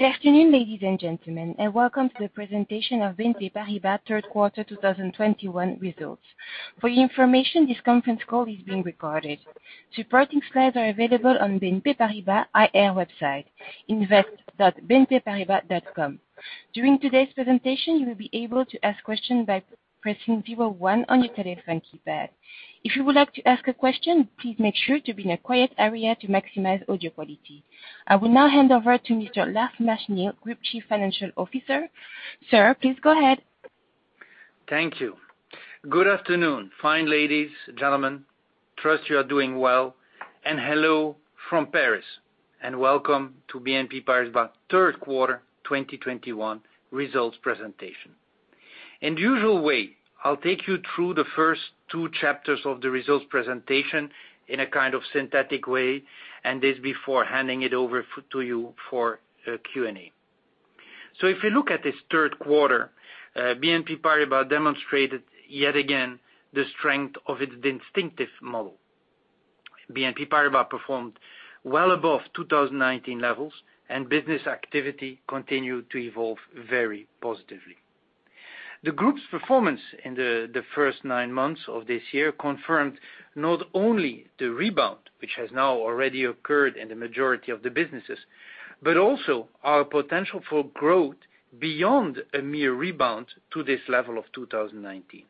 Good afternoon, ladies and gentlemen, and welcome to the presentation of BNP Paribas Third Quarter 2021 Results. For your information, this conference call is being recorded. Supporting slides are available on BNP Paribas IR website, invest.bnpparibas.com. During today's presentation, you will be able to ask questions by pressing zero one on your telephone keypad. If you would like to ask a question, please make sure to be in a quiet area to maximize audio quality. I will now hand over to Mr. Lars Machenil, Group Chief Financial Officer. Sir, please go ahead. Thank you. Good afternoon. Fine ladies, gentlemen, trust you are doing well, and hello from Paris, and welcome to BNP Paribas third quarter 2021 results presentation. In usual way, I'll take you through the first two chapters of the results presentation in a kind of synthetic way, and this before handing it over to you for Q&A. If you look at this third quarter, BNP Paribas demonstrated yet again the strength of its distinctive model. BNP Paribas performed well above 2019 levels, and business activity continued to evolve very positively. The group's performance in the first nine months of this year confirmed not only the rebound, which has now already occurred in the majority of the businesses, but also our potential for growth beyond a mere rebound to this level of 2019.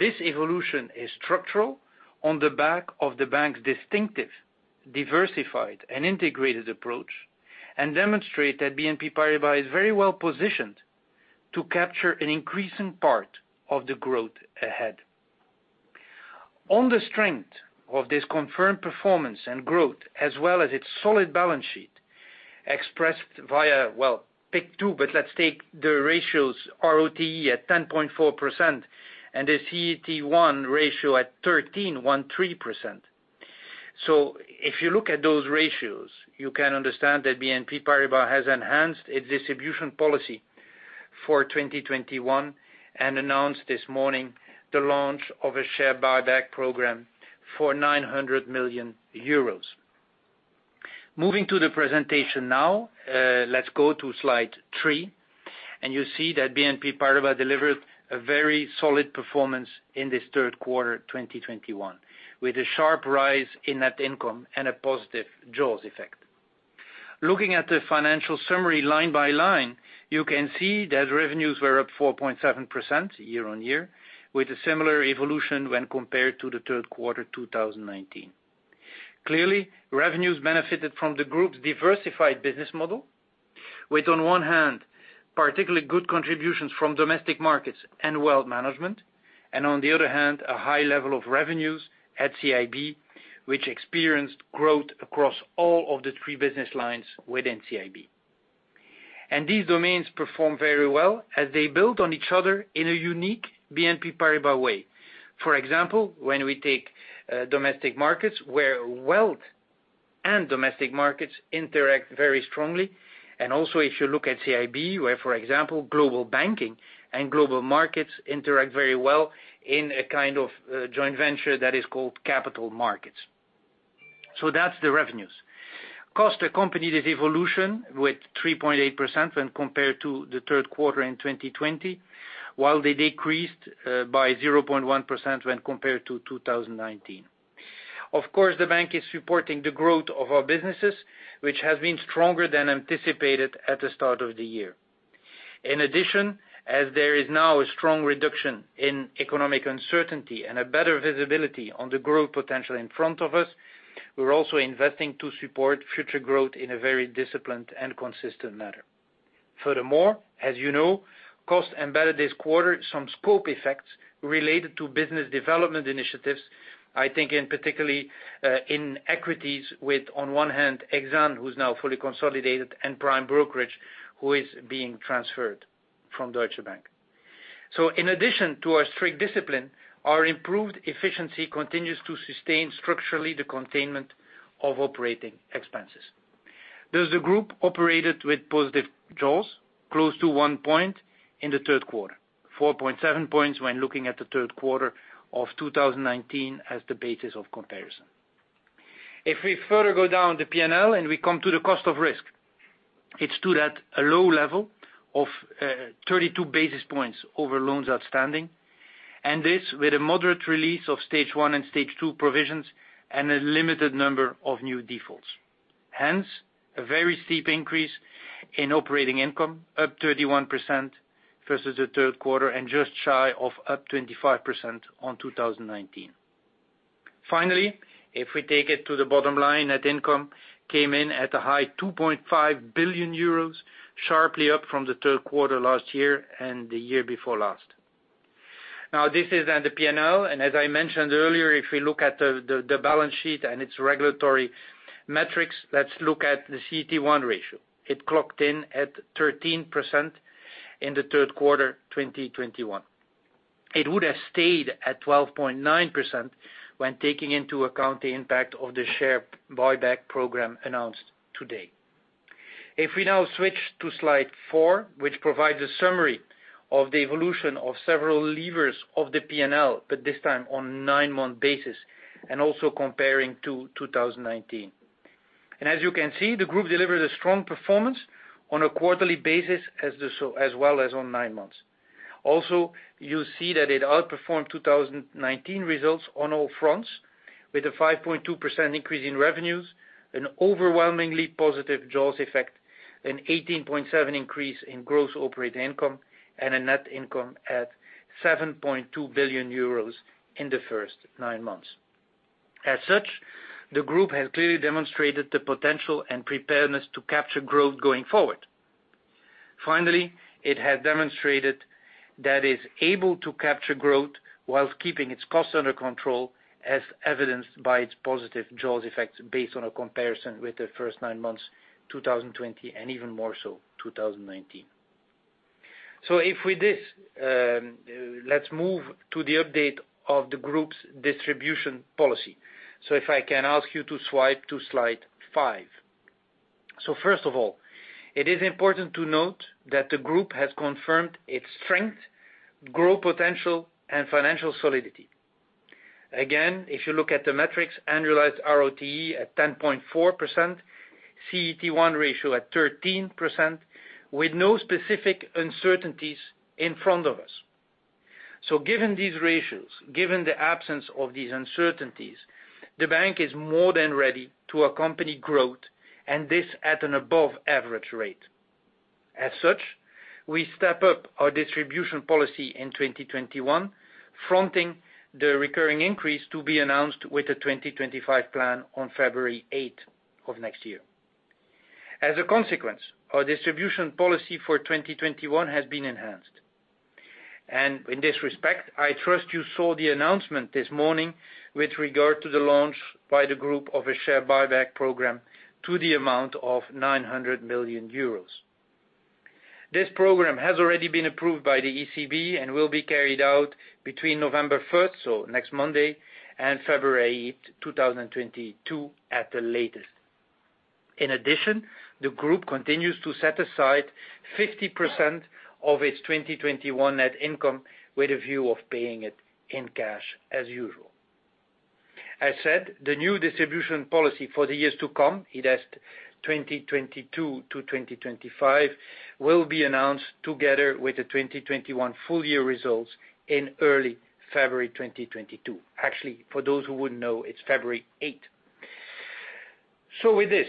This evolution is structural on the back of the bank's distinctive, diversified, and integrated approach, and demonstrate that BNP Paribas is very well-positioned to capture an increasing part of the growth ahead. On the strength of this confirmed performance and growth as well as its solid balance sheet expressed via, pick two, but let's take the ratios ROTE at 10.4% and the CET1 ratio at 13.13%. If you look at those ratios, you can understand that BNP Paribas has enhanced its distribution policy for 2021 and announced this morning the launch of a share buyback program for 900 million euros. Moving to the presentation now, let's go to slide three, and you see that BNP Paribas delivered a very solid performance in this third quarter 2021, with a sharp rise in net income and a positive jaws effect. Looking at the financial summary line by line, you can see that revenues were up 4.7% year-on-year, with a similar evolution when compared to the third quarter 2019. Clearly, revenues benefited from the group's diversified business model with, on one hand, particularly good contributions from Domestic Markets and Wealth Management, and on the other hand, a high level of revenues at CIB, which experienced growth across all of the three business lines within CIB. These domains perform very well as they build on each other in a unique BNP Paribas way. For example, when we take domestic markets where wealth and domestic markets interact very strongly, and also if you look at CIB, where, for example, Global Banking and Global Markets interact very well in a kind of joint venture that is called capital markets. That's the revenues. Costs accompany this evolution with 3.8% when compared to the third quarter in 2020, while they decreased by 0.1% when compared to 2019. Of course, the bank is supporting the growth of our businesses, which has been stronger than anticipated at the start of the year. In addition, as there is now a strong reduction in economic uncertainty and a better visibility on the growth potential in front of us, we're also investing to support future growth in a very disciplined and consistent manner. Furthermore, as you know, costs embedded this quarter some scope effects related to business development initiatives, I think in particular in equities with, on one hand, Exane, who's now fully consolidated, and Prime Brokerage, who is being transferred from Deutsche Bank. In addition to our strict discipline, our improved efficiency continues to sustain structurally the containment of operating expenses. Thus the group operated with positive jaws close to one point in the third quarter, 4.7 points when looking at the third quarter of 2019 as the basis of comparison. If we further go down the P&L and we come to the cost of risk, it stood at a low level of thirty-two basis points over loans outstanding, and this with a moderate release of stage one and stage two provisions and a limited number of new defaults. Hence, a very steep increase in operating income, up 31% versus the third quarter and just shy of up 25% on 2019. Finally, if we take it to the bottom line, net income came in at 2.5 billion euros, sharply up from the third quarter last year and the year before last. Now this is at the P&L, and as I mentioned earlier, if we look at the balance sheet and its regulatory metrics, let's look at the CET1 ratio. It clocked in at 13% in the third quarter 2021. It would have stayed at 12.9% when taking into account the impact of the share buyback program announced today. If we now switch to slide four, which provides a summary of the evolution of several levers of the P&L, but this time on nine-month basis, and also comparing to 2019. As you can see, the group delivered a strong performance on a quarterly basis as well as on nine months. You see that it outperformed 2019 results on all fronts with a 5.2% increase in revenues, an overwhelmingly positive jaws effect, an 18.7 increase in gross operating income, and a net income at 7.2 billion euros in the first nine months. The group has clearly demonstrated the potential and preparedness to capture growth going forward. It has demonstrated that it's able to capture growth while keeping its costs under control, as evidenced by its positive jaws effects based on a comparison with the first nine months, 2020, and even more so, 2019. With this, let's move to the update of the group's distribution policy. If I can ask you to swipe to slide five. First of all, it is important to note that the group has confirmed its strength, growth potential, and financial solidity. Again, if you look at the metrics, annualized ROTE at 10.4%, CET1 ratio at 13%, with no specific uncertainties in front of us. Given these ratios, given the absence of these uncertainties, the bank is more than ready to accompany growth, and this at an above average rate. As such, we step up our distribution policy in 2021, fronting the recurring increase to be announced with the 2025 plan on February eighth of next year. As a consequence, our distribution policy for 2021 has been enhanced. In this respect, I trust you saw the announcement this morning with regard to the launch by the group of a share buyback program to the amount of 900 million euros. This program has already been approved by the ECB and will be carried out between November 1, 2022 so next Monday, and February 8, 2022 at the latest. In addition, the group continues to set aside 50% of its 2021 net income with a view of paying it in cash as usual. As said, the new distribution policy for the years to come, it is 2022 to 2025, will be announced together with the 2021 full-year results in early February 2022. Actually, for those who wouldn't know, it's February 8, 2022. With this,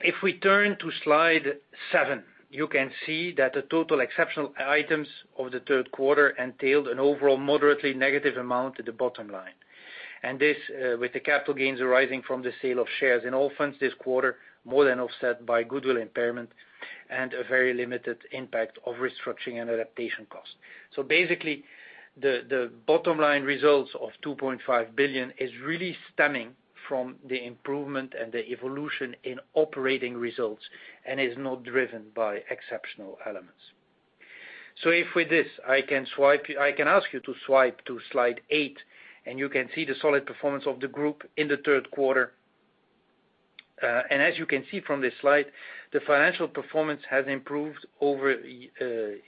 if we turn to slide seven, you can see that the total exceptional items of the third quarter entailed an overall moderately negative amount at the bottom line. This, with the capital gains arising from the sale of shares in Allfunds this quarter, more than offset by goodwill impairment and a very limited impact of restructuring and adaptation costs. Basically the bottom line results of 2.5 billion is really stemming from the improvement and the evolution in operating results and is not driven by exceptional elements. With this, I can ask you to swipe to slide eight, and you can see the solid performance of the group in the third quarter. As you can see from this slide, the financial performance has improved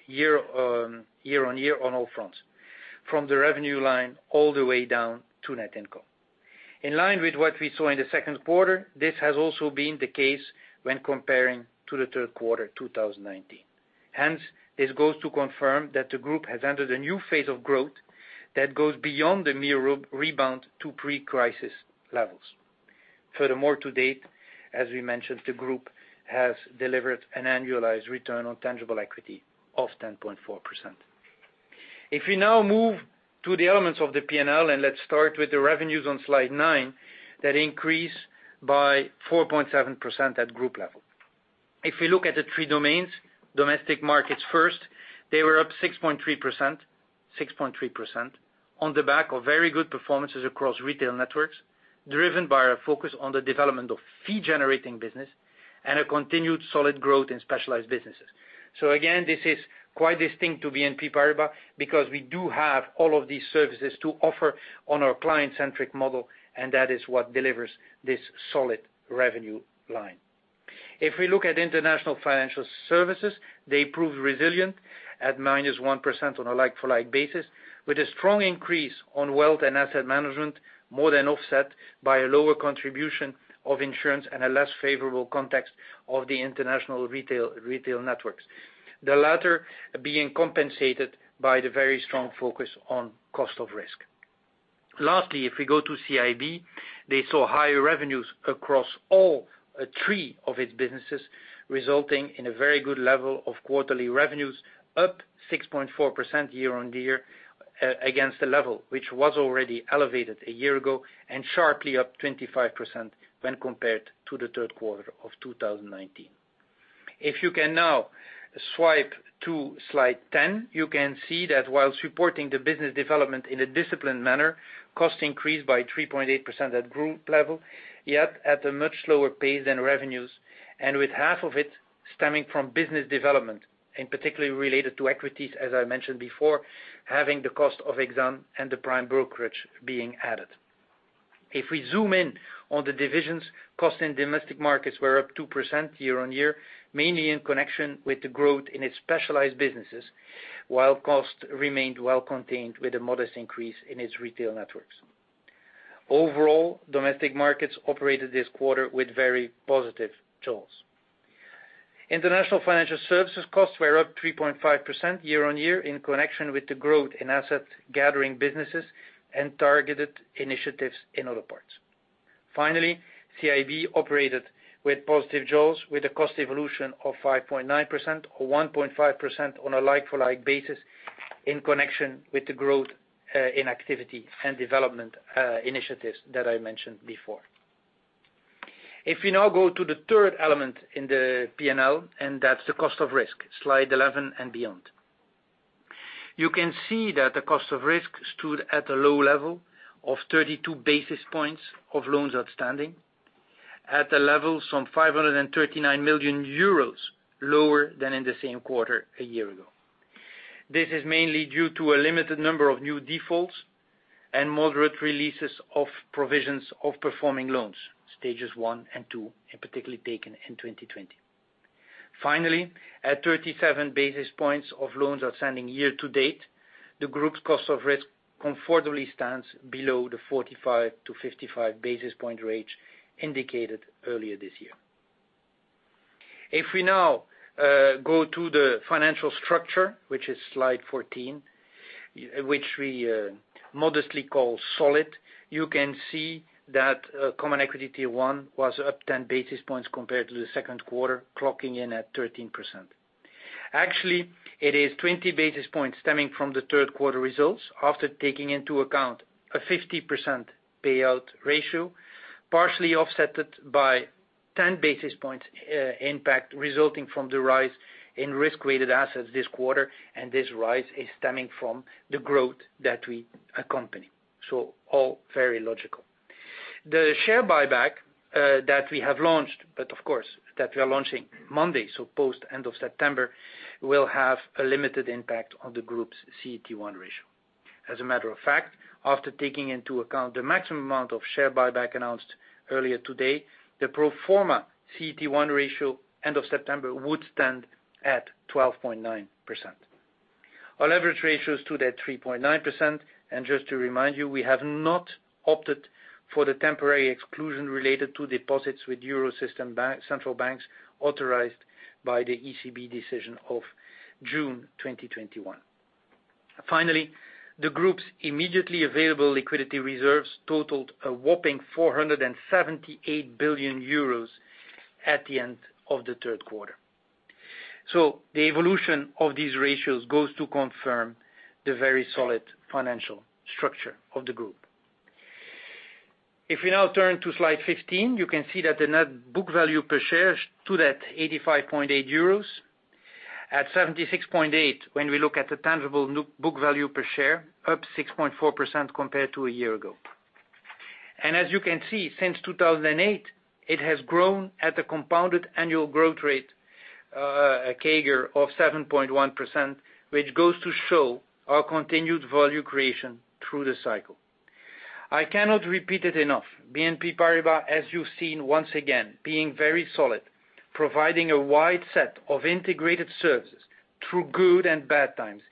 year on year on all fronts, from the revenue line all the way down to net income. In line with what we saw in the second quarter, this has also been the case when comparing to the third quarter 2019. Hence, this goes to confirm that the group has entered a new phase of growth that goes beyond the mere rebound to pre-crisis levels. Furthermore, to date, as we mentioned, the group has delivered an annualized return on tangible equity of 10.4%. If we now move to the elements of the P&L, let's start with the revenues on slide 9, that increased by 4.7% at group level. If we look at the three domains, domestic markets first, they were up 6.3%, on the back of very good performances across retail networks, driven by our focus on the development of fee-generating business and a continued solid growth in specialized businesses. Again, this is quite distinct to BNP Paribas because we do have all of these services to offer on our client-centric model, and that is what delivers this solid revenue line. If we look at international financial services, they proved resilient at -1% on a like-for-like basis, with a strong increase on wealth and asset management more than offset by a lower contribution of insurance and a less favorable context of the international retail networks. The latter being compensated by the very strong focus on cost of risk. Lastly, if we go to CIB, they saw higher revenues across all three of its businesses, resulting in a very good level of quarterly revenues, up 6.4% year-on-year against the level, which was already elevated a year ago, and sharply up 25% when compared to the third quarter of 2019. If you can now swipe to slide 10, you can see that while supporting the business development in a disciplined manner, costs increased by 3.8% at group level, yet at a much slower pace than revenues, and with half of it stemming from business development, and particularly related to equities, as I mentioned before, having the cost of Exane and the prime brokerage being added. If we zoom in on the divisions, costs in Domestic Markets were up 2% year-on-year, mainly in connection with the growth in its specialized businesses, while costs remained well contained with a modest increase in its retail networks. Overall, Domestic Markets operated this quarter with very positive jaws. International Financial Services costs were up 3.5% year-on-year in connection with the growth in asset gathering businesses and targeted initiatives in other parts. Finally, CIB operated with positive jaws with a cost evolution of 5.9% or 1.5% on a like-for-like basis in connection with the growth in activity and development initiatives that I mentioned before. If we now go to the third element in the P&L, that's the cost of risk. Slide 11 and beyond. You can see that the cost of risk stood at a low level of 32 basis points of loans outstanding, at a level some 539 million euros lower than in the same quarter a year ago. This is mainly due to a limited number of new defaults and moderate releases of provisions of performing loans, stages 1 and 2, in particular taken in 2020. Finally, at 37 basis points of loans outstanding year to date, the group's cost of risk comfortably stands below the 45-55 basis point range indicated earlier this year. If we now go to the financial structure, which is slide 14, which we modestly call solid, you can see that common equity tier one was up 10 basis points compared to the second quarter, clocking in at 13%. Actually, it is 20 basis points stemming from the third quarter results after taking into account a 50% payout ratio, partially offset by 10 basis points impact resulting from the rise in risk-weighted assets this quarter, and this rise is stemming from the growth that we accompany. All very logical. The share buyback that we have launched, but of course, that we are launching Monday, so post end of September, will have a limited impact on the group's CET1 ratio. As a matter of fact, after taking into account the maximum amount of share buyback announced earlier today, the pro forma CET1 ratio end of September would stand at 12.9%. Our leverage ratio is still at 3.9%. Just to remind you, we have not opted for the temporary exclusion related to deposits with Eurosystem central banks authorized by the ECB decision of June 2021. Finally, the group's immediately available liquidity reserves totaled a whopping 478 billion euros at the end of the third quarter. The evolution of these ratios goes to confirm the very solid financial structure of the group. If we now turn to slide 15, you can see that the net book value per share stood at 85.8 euros. At 76.8 when we look at the tangible book value per share, up 6.4% compared to a year ago. As you can see, since 2008, it has grown at a compounded annual growth rate, a CAGR of 7.1%, which goes to show our continued value creation through the cycle. I cannot repeat it enough. BNP Paribas, as you've seen once again, being very solid, providing a wide set of integrated services through good and bad times,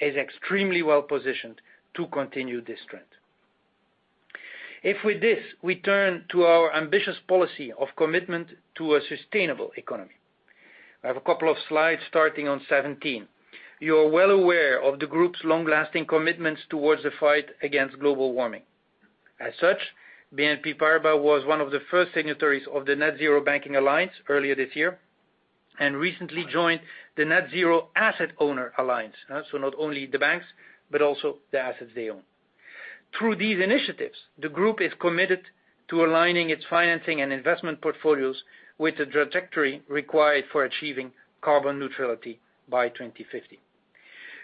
is extremely well-positioned to continue this trend. If with this, we turn to our ambitious policy of commitment to a sustainable economy. I have a couple of slides starting on 17. You are well aware of the group's long-lasting commitments toward the fight against global warming. As such, BNP Paribas was one of the first signatories of the Net-Zero Banking Alliance earlier this year and recently joined the Net-Zero Asset Owner Alliance. Not only the banks, but also the assets they own. Through these initiatives, the group is committed to aligning its financing and investment portfolios with the trajectory required for achieving carbon neutrality by 2050.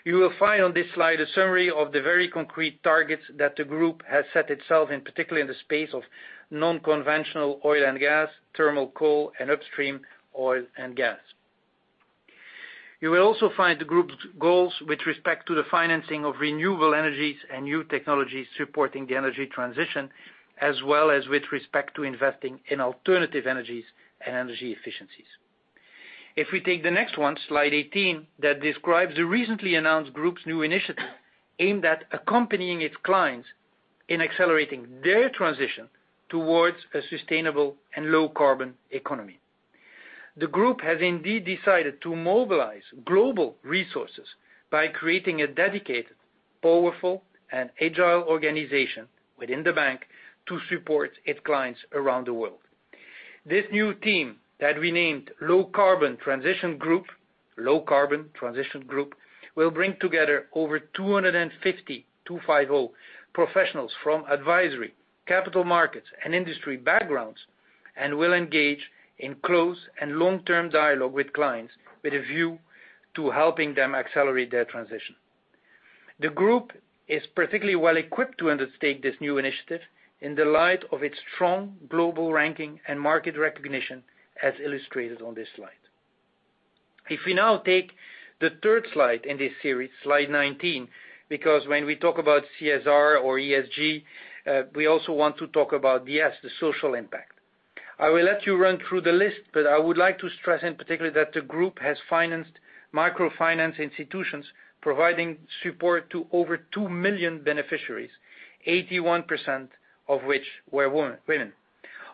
You will find on this slide a summary of the very concrete targets that the group has set itself, in particular in the space of non-conventional oil and gas, thermal coal, and upstream oil and gas. You will also find the group's goals with respect to the financing of renewable energies and new technologies supporting the energy transition, as well as with respect to investing in alternative energies and energy efficiencies. If we take the next one, slide 18, that describes the recently announced group's new initiative aimed at accompanying its clients in accelerating their transition towards a sustainable and low-carbon economy. The group has indeed decided to mobilize global resources by creating a dedicated, powerful, and agile organization within the bank to support its clients around the world. This new team that we named Low Carbon Transition Group will bring together over 250 professionals from advisory, capital markets, and industry backgrounds, and will engage in close and long-term dialogue with clients with a view to helping them accelerate their transition. The group is particularly well equipped to undertake this new initiative in the light of its strong global ranking and market recognition as illustrated on this slide. If we now take the third slide in this series, slide 19, because when we talk about CSR or ESG, we also want to talk about, yes, the social impact. I will let you run through the list, but I would like to stress in particular that the group has financed microfinance institutions providing support to over 2 million beneficiaries, 81% of which were women.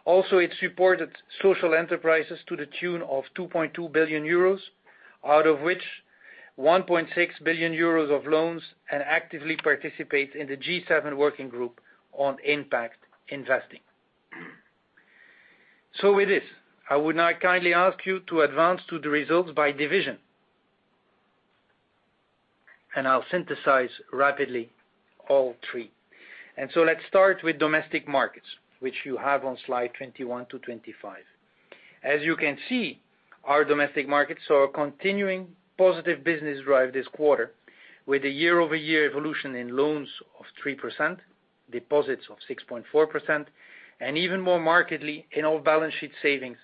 Also, it supported social enterprises to the tune of 2.2 billion euros, out of which 1.6 billion euros of loans and actively participates in the G7 working group on impact investing. With this, I would now kindly ask you to advance to the results by division. I'll synthesize rapidly all three. Let's start with domestic markets, which you have on slide 21-25. As you can see, our domestic markets saw a continuing positive business drive this quarter, with a year-over-year evolution in loans of 3%, deposits of 6.4%, and even more markedly in all balance sheet savings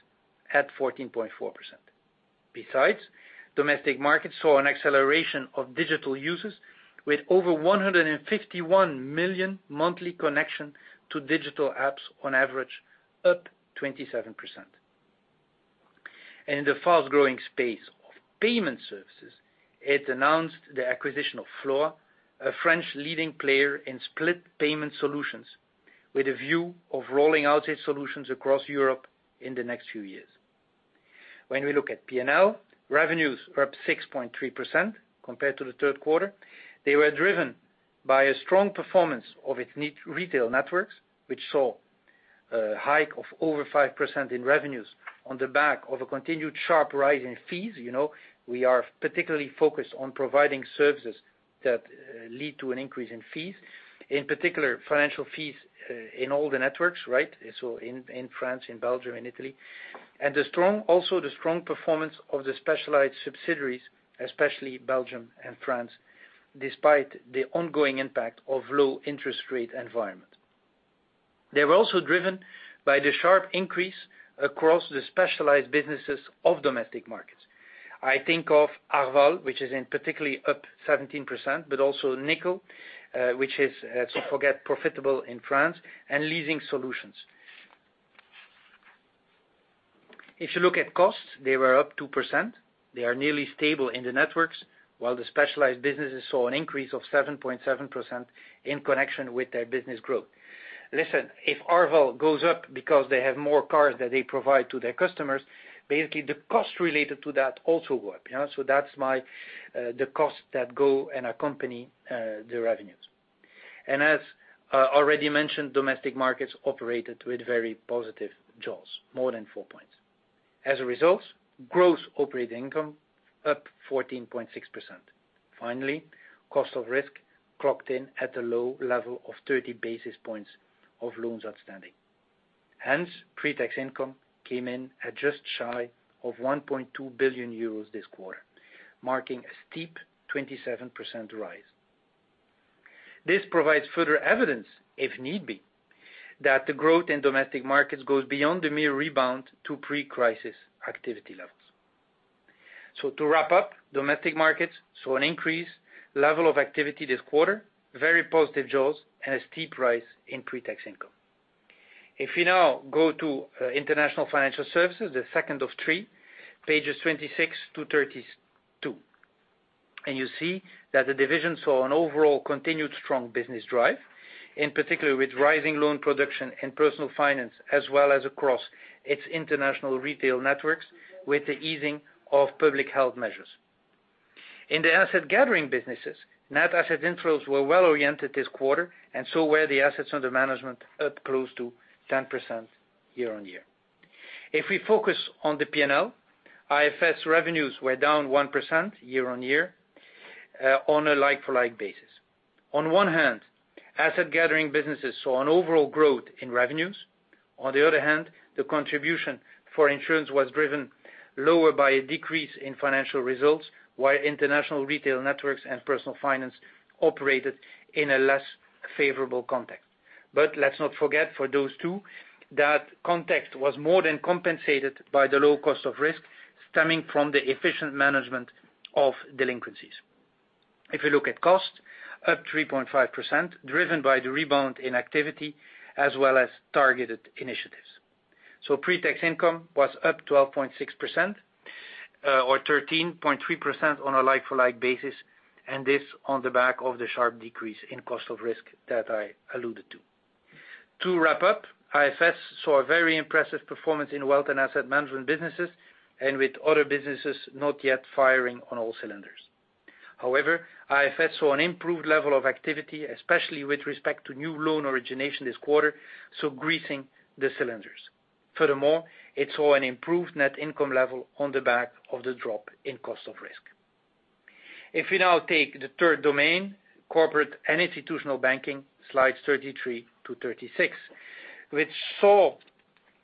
at 14.4%. Besides, domestic markets saw an acceleration of digital users with over 151 million monthly connection to digital apps on average, up 27%. In the fast-growing space of payment services, it announced the acquisition of FLOA, a French leading player in split payment solutions, with a view of rolling out its solutions across Europe in the next few years. When we look at P&L, revenues were up 6.3% compared to the third quarter. They were driven by a strong performance of its retail networks, which saw a hike of over 5% in revenues on the back of a continued sharp rise in fees. You know, we are particularly focused on providing services that lead to an increase in fees, in particular, financial fees, in all the networks, right? In France, in Belgium, in Italy. The strong performance of the specialized subsidiaries, especially Belgium and France, despite the ongoing impact of low interest rate environment. They were also driven by the sharp increase across the specialized businesses of domestic markets. I think of Arval, which is particularly up 17%, but also Nickel, which is, don't forget, profitable in France, and leasing solutions. If you look at costs, they were up 2%. They are nearly stable in the networks, while the specialized businesses saw an increase of 7.7% in connection with their business growth. Listen, if Arval goes up because they have more cars that they provide to their customers, basically the cost related to that also go up. You know? That's my, the costs that go and accompany, the revenues. As already mentioned, domestic markets operated with very positive jaws, more than four points. As a result, gross operating income up 14.6%. Finally, cost of risk clocked in at a low level of 30 basis points of loans outstanding. Hence, pre-tax income came in at just shy of 1.2 billion euros this quarter, marking a steep 27% rise. This provides further evidence, if need be, that the growth in domestic markets goes beyond the mere rebound to pre-crisis activity levels. To wrap up, domestic markets saw an increase level of activity this quarter, very positive jaws, and a steep rise in pre-tax income. If you now go to international financial services, the second of three, pages 26-32, and you see that the division saw an overall continued strong business drive, in particular with rising loan production and personal finance, as well as across its international retail networks with the easing of public health measures. In the asset gathering businesses, net asset inflows were well-oriented this quarter, and so were the assets under management, up close to 10% year-on-year. If we focus on the P&L, IFS revenues were down 1% year-on-year on a like-for-like basis. On one hand, asset gathering businesses saw an overall growth in revenues. On the other hand, the contribution for insurance was driven lower by a decrease in financial results, while international retail networks and personal finance operated in a less favorable context. Let's not forget for those two, that context was more than compensated by the low cost of risk stemming from the efficient management of delinquencies. If you look at cost, up 3.5%, driven by the rebound in activity as well as targeted initiatives. Pre-tax income was up 12.6%, or 13.3% on a like-for-like basis, and this on the back of the sharp decrease in cost of risk that I alluded to. To wrap up, IFS saw a very impressive performance in wealth and asset management businesses and with other businesses not yet firing on all cylinders. However, IFS saw an improved level of activity, especially with respect to new loan origination this quarter, so greasing the cylinders. Furthermore, it saw an improved net income level on the back of the drop in cost of risk. If you now take the third domain, Corporate and Institutional Banking, slides 33 to 36, which saw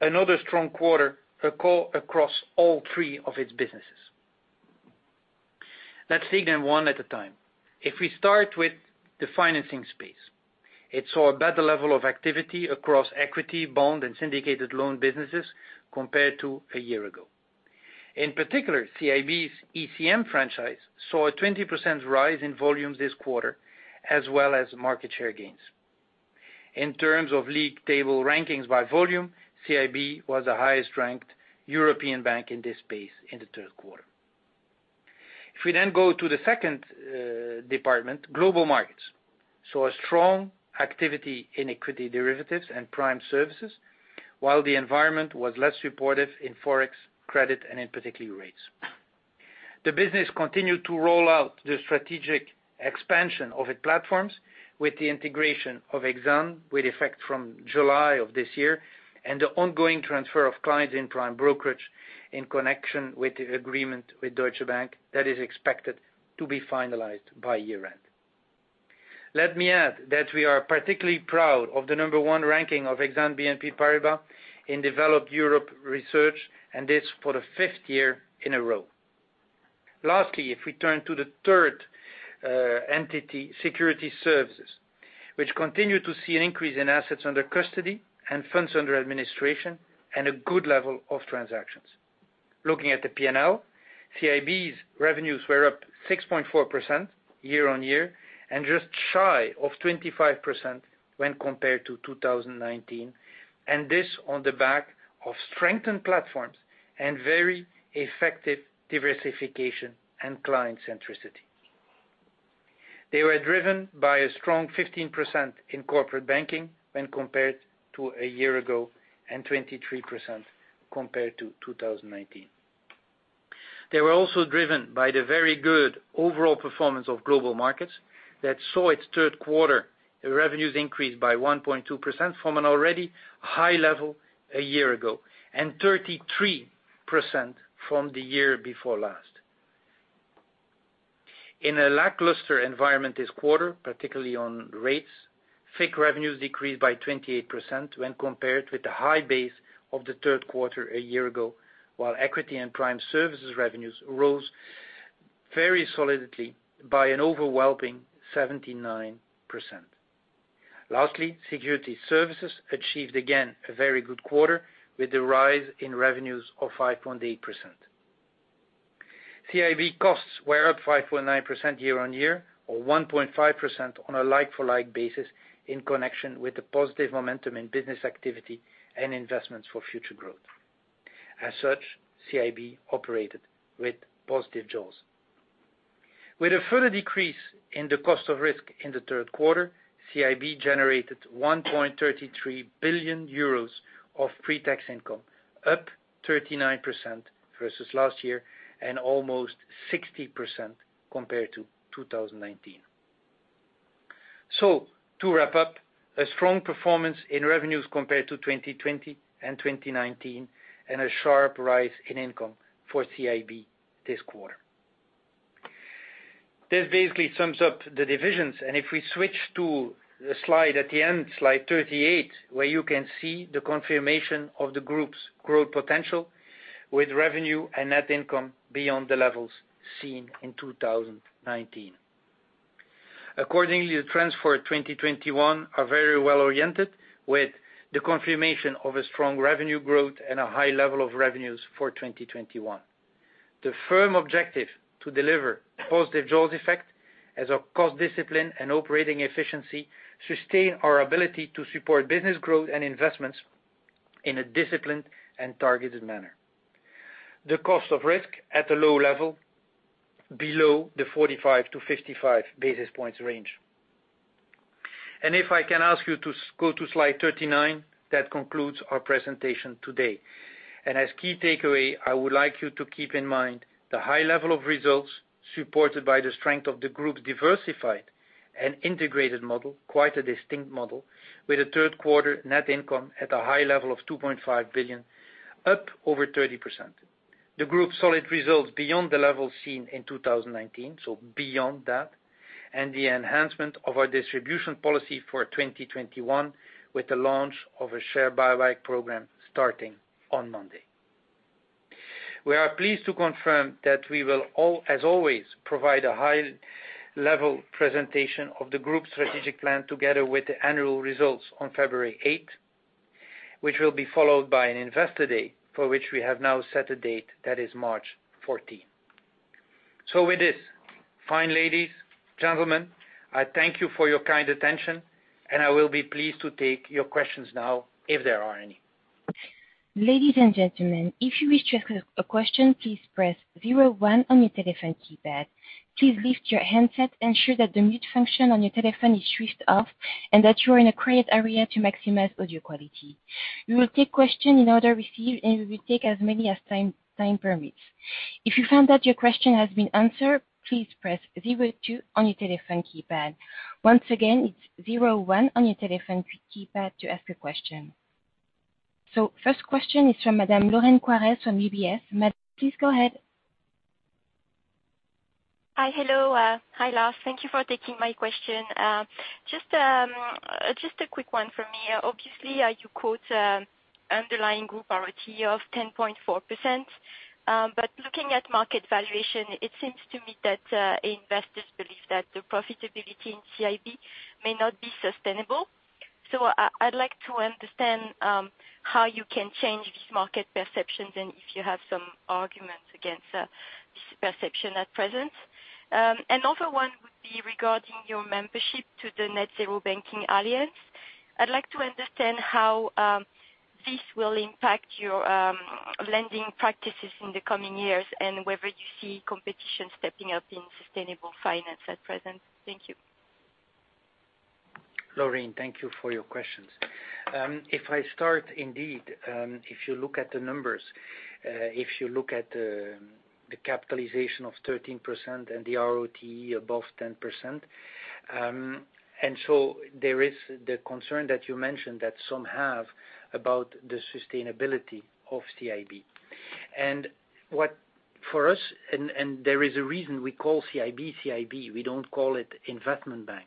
another strong quarter across all three of its businesses. Let's take them one at a time. If we start with the financing space, it saw a better level of activity across equity, bond, and syndicated loan businesses compared to a year ago. In particular, CIB's ECM franchise saw a 20% rise in volume this quarter, as well as market share gains. In terms of league table rankings by volume, CIB was the highest-ranked European bank in this space in the third quarter. If we then go to the second department, Global Markets saw a strong activity in equity derivatives and prime services, while the environment was less supportive in Forex, credit, and in particular, rates. The business continued to roll out the strategic expansion of its platforms with the integration of Exane with effect from July of this year and the ongoing transfer of clients in prime brokerage in connection with the agreement with Deutsche Bank that is expected to be finalized by year-end. Let me add that we are particularly proud of the number one ranking of Exane BNP Paribas in developed Europe research, and this for the fifth year in a row. Lastly, if we turn to the third entity, Securities Services, which continue to see an increase in assets under custody and funds under administration and a good level of transactions. Looking at the P&L, CIB's revenues were up 6.4% year-on-year and just shy of 25% when compared to 2019, and this on the back of strengthened platforms and very effective diversification and client centricity. They were driven by a strong 15% in corporate banking when compared to a year ago, and 23% compared to 2019. They were also driven by the very good overall performance of Global Markets that saw its third quarter revenues increased by 1.2% from an already high level a year ago, and 33% from the year before last. In a lackluster environment this quarter, particularly on rates, FICC revenues decreased by 28% when compared with the high base of the third quarter a year ago, while equity and prime services revenues rose very solidly by an overwhelming 79%. Lastly, Securities Services achieved again a very good quarter with the rise in revenues of 5.8%. CIB costs were up 5.9% year-on-year or 1.5% on a like-for-like basis in connection with the positive momentum in business activity and investments for future growth. As such, CIB operated with positive jaws. With a further decrease in the cost of risk in the third quarter, CIB generated 1.33 billion euros of pre-tax income, up 39% versus last year and almost 60% compared to 2019. To wrap up, a strong performance in revenues compared to 2020 and 2019 and a sharp rise in income for CIB this quarter. This basically sums up the divisions, and if we switch to the slide at the end, slide 38, where you can see the confirmation of the group's growth potential with revenue and net income beyond the levels seen in 2019. Accordingly, the trends for 2021 are very well oriented with the confirmation of a strong revenue growth and a high level of revenues for 2021. The firm's objective to deliver positive jaws effect as our cost discipline and operating efficiency sustain our ability to support business growth and investments in a disciplined and targeted manner. The cost of risk at a low level below the 45-55 basis points range. If I can ask you to go to slide 39, that concludes our presentation today. As key takeaway, I would like you to keep in mind the high level of results supported by the strength of the group's diversified and integrated model, quite a distinct model, with a third quarter net income at a high level of 2.5 billion, up over 30%. The group's solid results beyond the level seen in 2019, so beyond that, and the enhancement of our distribution policy for 2021 with the launch of a share buyback program starting on Monday. We are pleased to confirm that we will all, as always, provide a high-level presentation of the group's strategic plan together with the annual results on February eighth, which will be followed by an investor day for which we have now set a date that is March fourteenth. With this, fine ladies, gentlemen, I thank you for your kind attention, and I will be pleased to take your questions now if there are any. Ladies and gentlemen, if you wish to ask a question, please press 01 on your telephone keypad. Please lift your handset, ensure that the mute function on your telephone is switched off, and that you are in a quiet area to maximize audio quality. We will take questions in order received, and we will take as many as time permits. If you find that your question has been answered, please press zero two on your telephone keypad. Once again, it's zero one on your telephone keypad to ask a question. First question is from Madame Lorraine Quoirez from UBS. Madame, please go ahead. Hello, Lars. Thank you for taking my question. Just a quick one from me. Obviously, you quote underlying group ROTE of 10.4%. But looking at market valuation, it seems to me that investors believe that the profitability in CIB may not be sustainable. I'd like to understand how you can change these market perceptions and if you have some arguments against this perception at present. Another one would be regarding your membership to the Net-Zero Banking Alliance. I'd like to understand how this will impact your lending practices in the coming years and whether you see competition stepping up in sustainable finance at present. Thank you. Lorraine, thank you for your questions. If I start indeed, if you look at the numbers, if you look at the capitalization of 13% and the ROTE above 10%, there is the concern that you mentioned that some have about the sustainability of CIB. What for us, there is a reason we call CIB, we don't call it investment bank.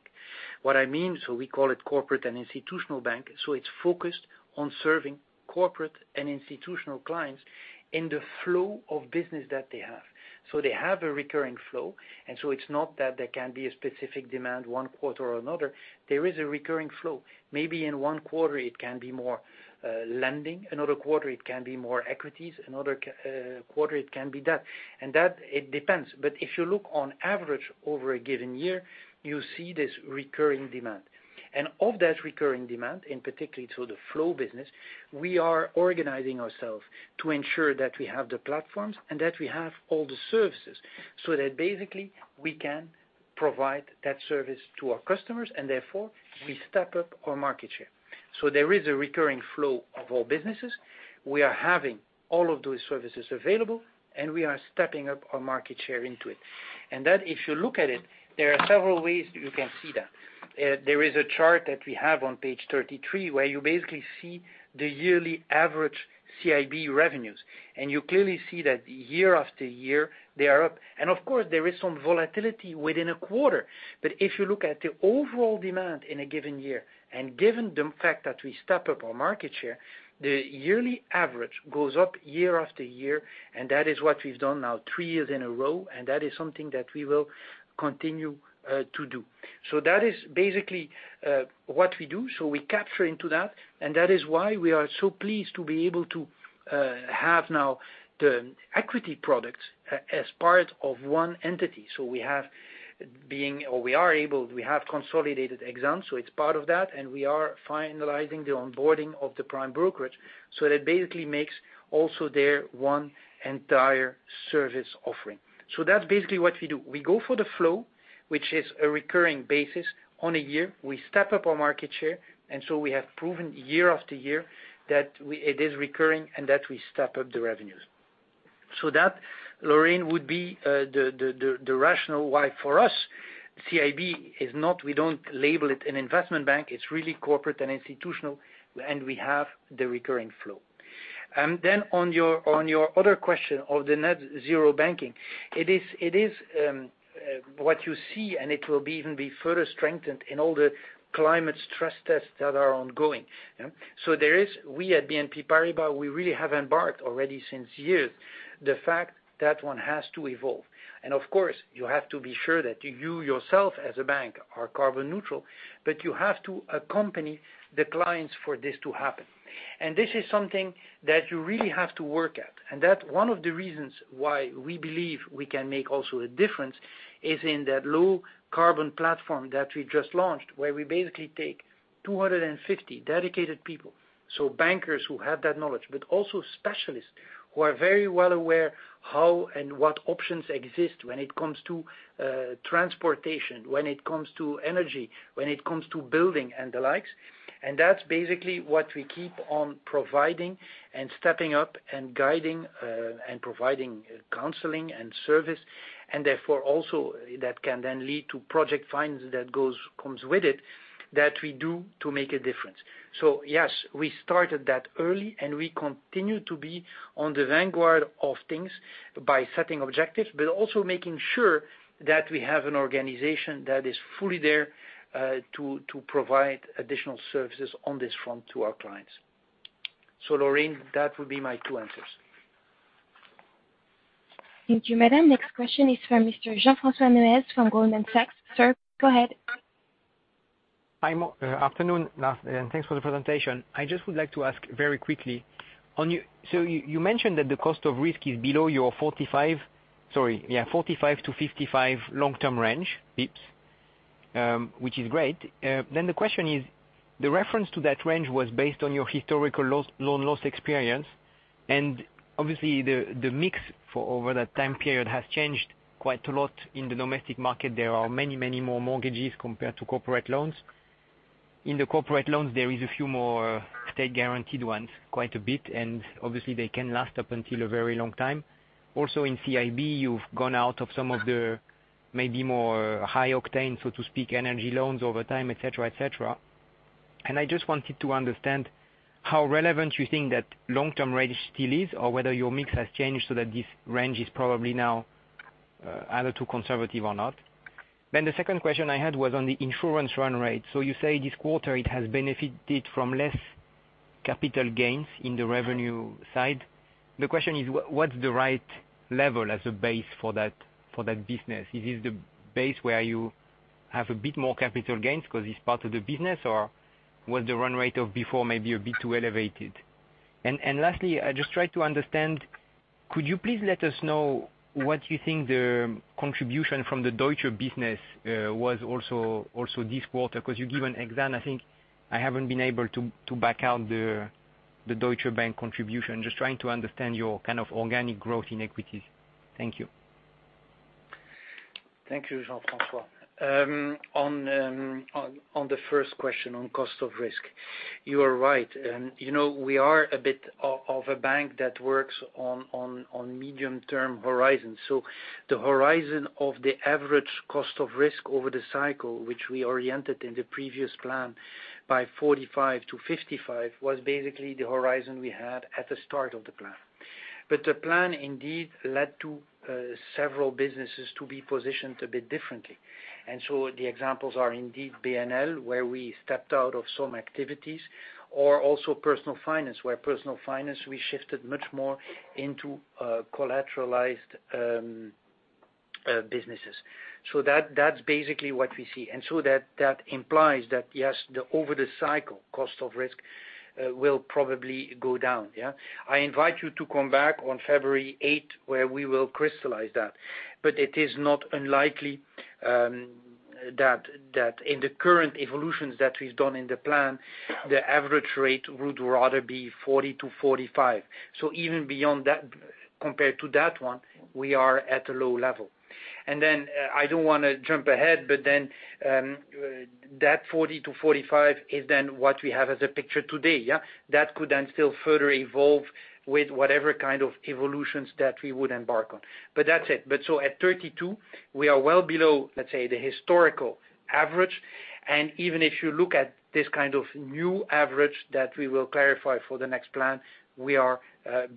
What I mean, we call it corporate and institutional bank, so it's focused on serving corporate and institutional clients in the flow of business that they have. They have a recurring flow, it's not that there can be a specific demand one quarter or another. There is a recurring flow. Maybe in one quarter it can be more lending. Another quarter, it can be more equities. Another quarter it can be that. That it depends. If you look on average over a given year, you see this recurring demand. Of that recurring demand, in particular to the flow business, we are organizing ourselves to ensure that we have the platforms and that we have all the services so that basically we can provide that service to our customers, and therefore we step up our market share. There is a recurring flow of all businesses. We are having all of those services available, and we are stepping up our market share into it. That, if you look at it, there are several ways you can see that. There is a chart that we have on page 33 where you basically see the yearly average CIB revenues. You clearly see that year after year, they are up. Of course, there is some volatility within a quarter. If you look at the overall demand in a given year, and given the fact that we step up our market share, the yearly average goes up year after year, and that is what we've done now three years in a row, and that is something that we will continue to do. That is basically what we do. We capture into that, and that is why we are so pleased to be able to have now the equity products as part of one entity. We have been, or we are able, we have consolidated Exane, so it's part of that, and we are finalizing the onboarding of the prime brokerage. That basically makes also their one entire service offering. That's basically what we do. We go for the flow, which is a recurring basis on a year. We step up our market share, and we have proven year after year that it is recurring and that we step up the revenues. That, Lorraine, would be the rationale why for us, CIB is not, we don't label it an investment bank. It's really corporate and institutional, and we have the recurring flow. Then on your other question of the Net-Zero Banking Alliance, it is what you see, and it will be even further strengthened in all the climate stress tests that are ongoing. There is, we at BNP Paribas, we really have embarked already since years the fact that one has to evolve. Of course, you have to be sure that you yourself as a bank are carbon neutral, but you have to accompany the clients for this to happen. This is something that you really have to work at. That one of the reasons why we believe we can make also a difference is in that Low Carbon Transition Group that we just launched, where we basically take 250 dedicated people, so bankers who have that knowledge, but also specialists who are very well aware how and what options exist when it comes to transportation, when it comes to energy, when it comes to building and the like. That's basically what we keep on providing and stepping up and guiding, and providing counseling and service, and therefore also that can then lead to project funds that comes with it that we do to make a difference. Yes, we started that early and we continue to be on the vanguard of things by setting objectives, but also making sure that we have an organization that is fully there, to provide additional services on this front to our clients. Lorraine, that would be my two answers. Thank you, Madame. Next question is from Mr. Jean-François Neuez from Goldman Sachs. Sir, go ahead. Hi, afternoon, Lars, and thanks for the presentation. I just would like to ask very quickly on. So you mentioned that the cost of risk is below your 45, sorry, yeah, 45-55 long-term range basis points, which is great. Then the question is, the reference to that range was based on your historical loan loss experience. Obviously the mix for over that time period has changed quite a lot in the domestic market. There are many, many more mortgages compared to corporate loans. In the corporate loans, there is a few more state-guaranteed ones, quite a bit, and obviously they can last up until a very long time. In CIB, you've gone out of some of the maybe more high octane, so to speak, energy loans over time, et cetera, et cetera. I just wanted to understand how relevant you think that long-term rate still is or whether your mix has changed so that this range is probably now either too conservative or not. The second question I had was on the insurance run rate. You say this quarter it has benefited from less capital gains in the revenue side. The question is what's the right level as a base for that, for that business? Is it the base where you have a bit more capital gains because it's part of the business, or was the run rate of before maybe a bit too elevated? Lastly, I just try to understand, could you please let us know what you think the contribution from the Deutsche Bank was also this quarter? 'Cause you give an example, I think I haven't been able to to back out the Deutsche Bank contribution. Just trying to understand your kind of organic growth in equities. Thank you. Thank you, Jean-François. On the first question on cost of risk, you are right. You know, we are a bit of a bank that works on medium-term horizon. The horizon of the average cost of risk over the cycle, which we oriented in the previous plan by 45-55, was basically the horizon we had at the start of the plan. The plan indeed led to several businesses to be positioned a bit differently. The examples are indeed BNL, where we stepped out of some activities, or also Personal Finance, where we shifted much more into collateralized businesses. That's basically what we see. That implies that yes, the over the cycle, cost of risk will probably go down, yeah. I invite you to come back on February eighth, where we will crystallize that. It is not unlikely that in the current evolutions that we've done in the plan, the average rate would rather be 40-45. Even beyond that, compared to that one, we are at a low level. I don't wanna jump ahead, but then that 40-45 is then what we have as a picture today, yeah. That could then still further evolve with whatever kind of evolutions that we would embark on. That's it. At 32, we are well below, let's say, the historical average. Even if you look at this kind of new average that we will clarify for the next plan, we are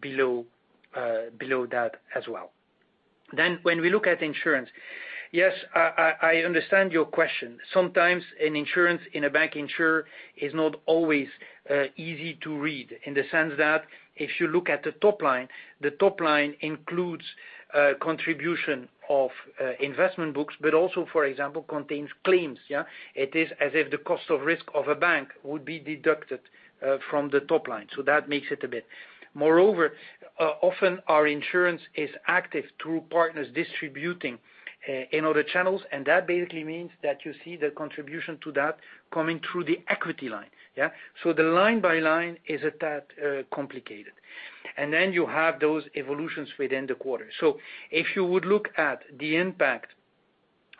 below that as well. When we look at insurance, yes, I understand your question. Sometimes bancassurance is not always easy to read in the sense that if you look at the top line, the top line includes contribution of investment books, but also for example contains claims, yeah. It is as if the cost of risk of a bank would be deducted from the top line. That makes it a bit. Moreover, often our insurance is active through partners distributing in other channels, and that basically means that you see the contribution to that coming through the equity line, yeah. The line by line is a tad complicated. You have those evolutions within the quarter. If you would look at the impact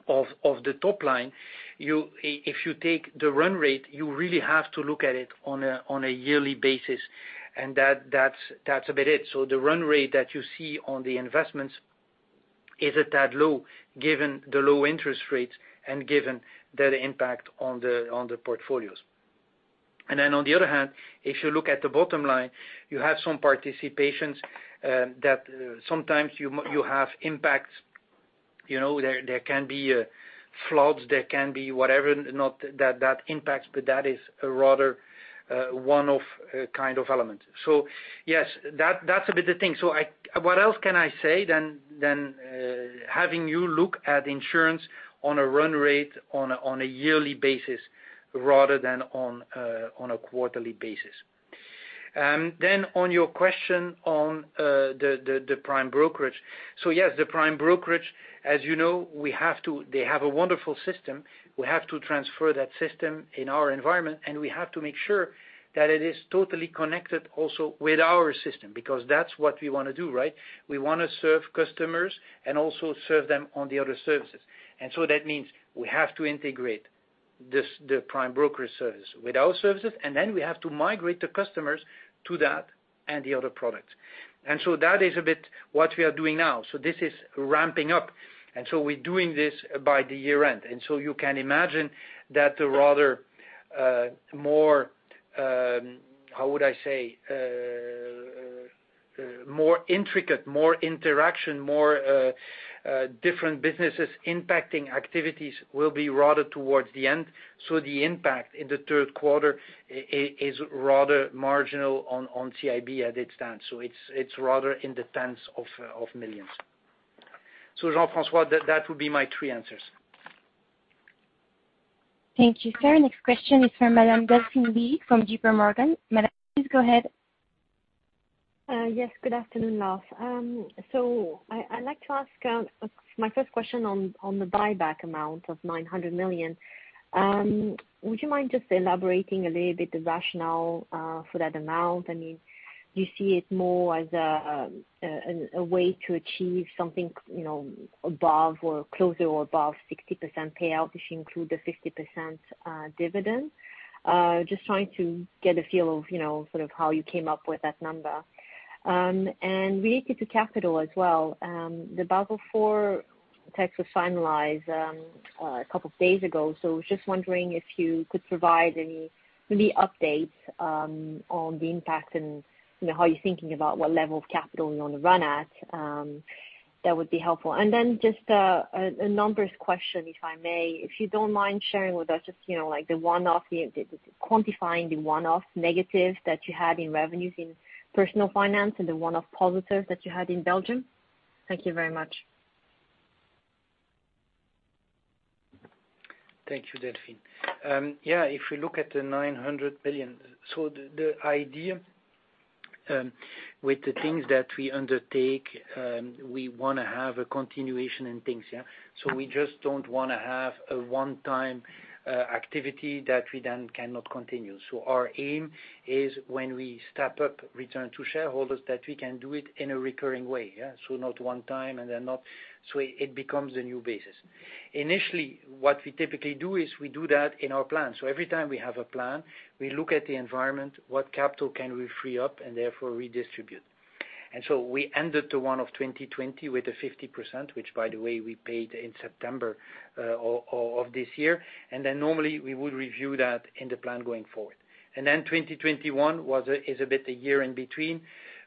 of the top line, if you take the run rate, you really have to look at it on a yearly basis, and that's about it. The run rate that you see on the investments is a tad low given the low interest rates and given the impact on the portfolios. On the other hand, if you look at the bottom line, you have some participations that sometimes you have impacts, you know, there can be floods, there can be whatever, not that impacts, but that is a rather one-off kind of element. Yes, that's a bit the thing. I what else can I say than having you look at insurance on a run rate on a yearly basis rather than on a quarterly basis. Then on your question on the Prime Brokerage, yes, the Prime Brokerage, as you know, they have a wonderful system. We have to transfer that system in our environment, and we have to make sure that it is totally connected also with our system because that's what we wanna do, right? We wanna serve customers and also serve them on the other services. That means we have to integrate the Prime Brokerage service with our services, and then we have to migrate the customers to that and the other products. That is a bit what we are doing now. This is ramping up, and we're doing this by the year-end. You can imagine that the more intricate, more interaction, different businesses impacting activities will be rather towards the end. The impact in the third quarter is rather marginal on CIB as it stands. It's rather in the tens of millions. Jean-François, that would be my three answers. Thank you, sir. Next question is from Madame Delphine Lee from JPMorgan. Madame, please go ahead. Yes, good afternoon, Lars Machenil. So I'd like to ask my first question on the buyback amount of 900 million. Would you mind just elaborating a little bit the rationale for that amount? I mean, do you see it more as a way to achieve something, you know, above or closer or above 60% payout if you include the 50% dividend? Just trying to get a feel of, you know, sort of how you came up with that number. Related to capital as well, the Basel IV The text was finalized a couple of days ago. I was just wondering if you could provide any real updates on the impact and, you know, how you're thinking about what level of capital you wanna run at, that would be helpful. Just a numbers question, if I may. If you don't mind sharing with us just, you know, like the one-off, quantifying the one-off negatives that you had in revenues in Personal Finance and the one-off positives that you had in Belgium. Thank you very much. Thank you, Delphine. Yeah, if we look at the 900 million. The idea with the things that we undertake, we wanna have a continuation in things, yeah? We just don't wanna have a one-time activity that we then cannot continue. Our aim is when we step up return to shareholders that we can do it in a recurring way, yeah. Not one time and then not. It becomes a new basis. Initially, what we typically do is we do that in our plan. Every time we have a plan, we look at the environment, what capital can we free up, and therefore redistribute. We ended 2020 with a 50%, which by the way, we paid in September of this year. Normally we would review that in the plan going forward. 2021 was a bit of a year in between.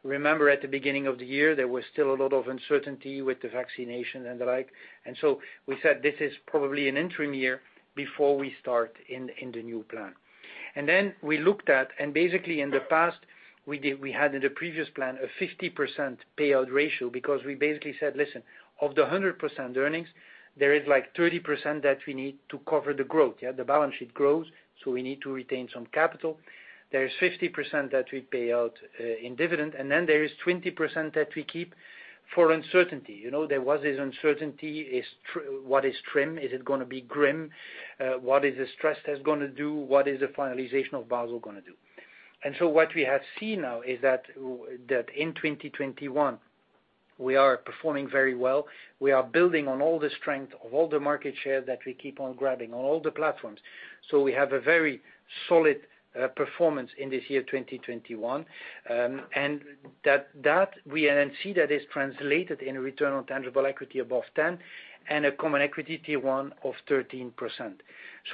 Remember at the beginning of the year, there was still a lot of uncertainty with the vaccination and the like, and so we said this is probably an interim year before we start in the new plan. Basically in the past we had in the previous plan a 50% payout ratio because we basically said, listen, of the 100% earnings, there is like 30% that we need to cover the growth. Yeah. The balance sheet grows, so we need to retain some capital. There is 50% that we pay out in dividend, and then there is 20% that we keep for uncertainty. You know, there was this uncertainty. What is TRIM? Is it gonna be GRIM? What is the stress test gonna do? What is the finalization of Basel gonna do? What we have seen now is that in 2021, we are performing very well. We are building on all the strength of all the market share that we keep on grabbing on all the platforms. We have a very solid performance in this year, 2021. That we then see that is translated into return on tangible equity above 10, and a CET1 of 13%.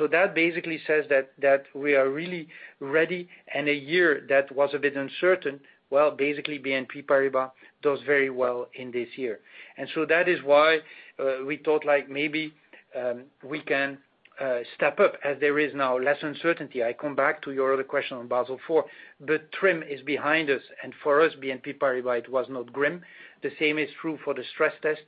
That basically says that we are really ready, and a year that was a bit uncertain. Well, basically BNP Paribas does very well in this year. That is why we thought like maybe we can step up as there is now less uncertainty. I come back to your other question on Basel IV. The TRIM is behind us, and for us, BNP Paribas was not GRIM. The same is true for the stress test.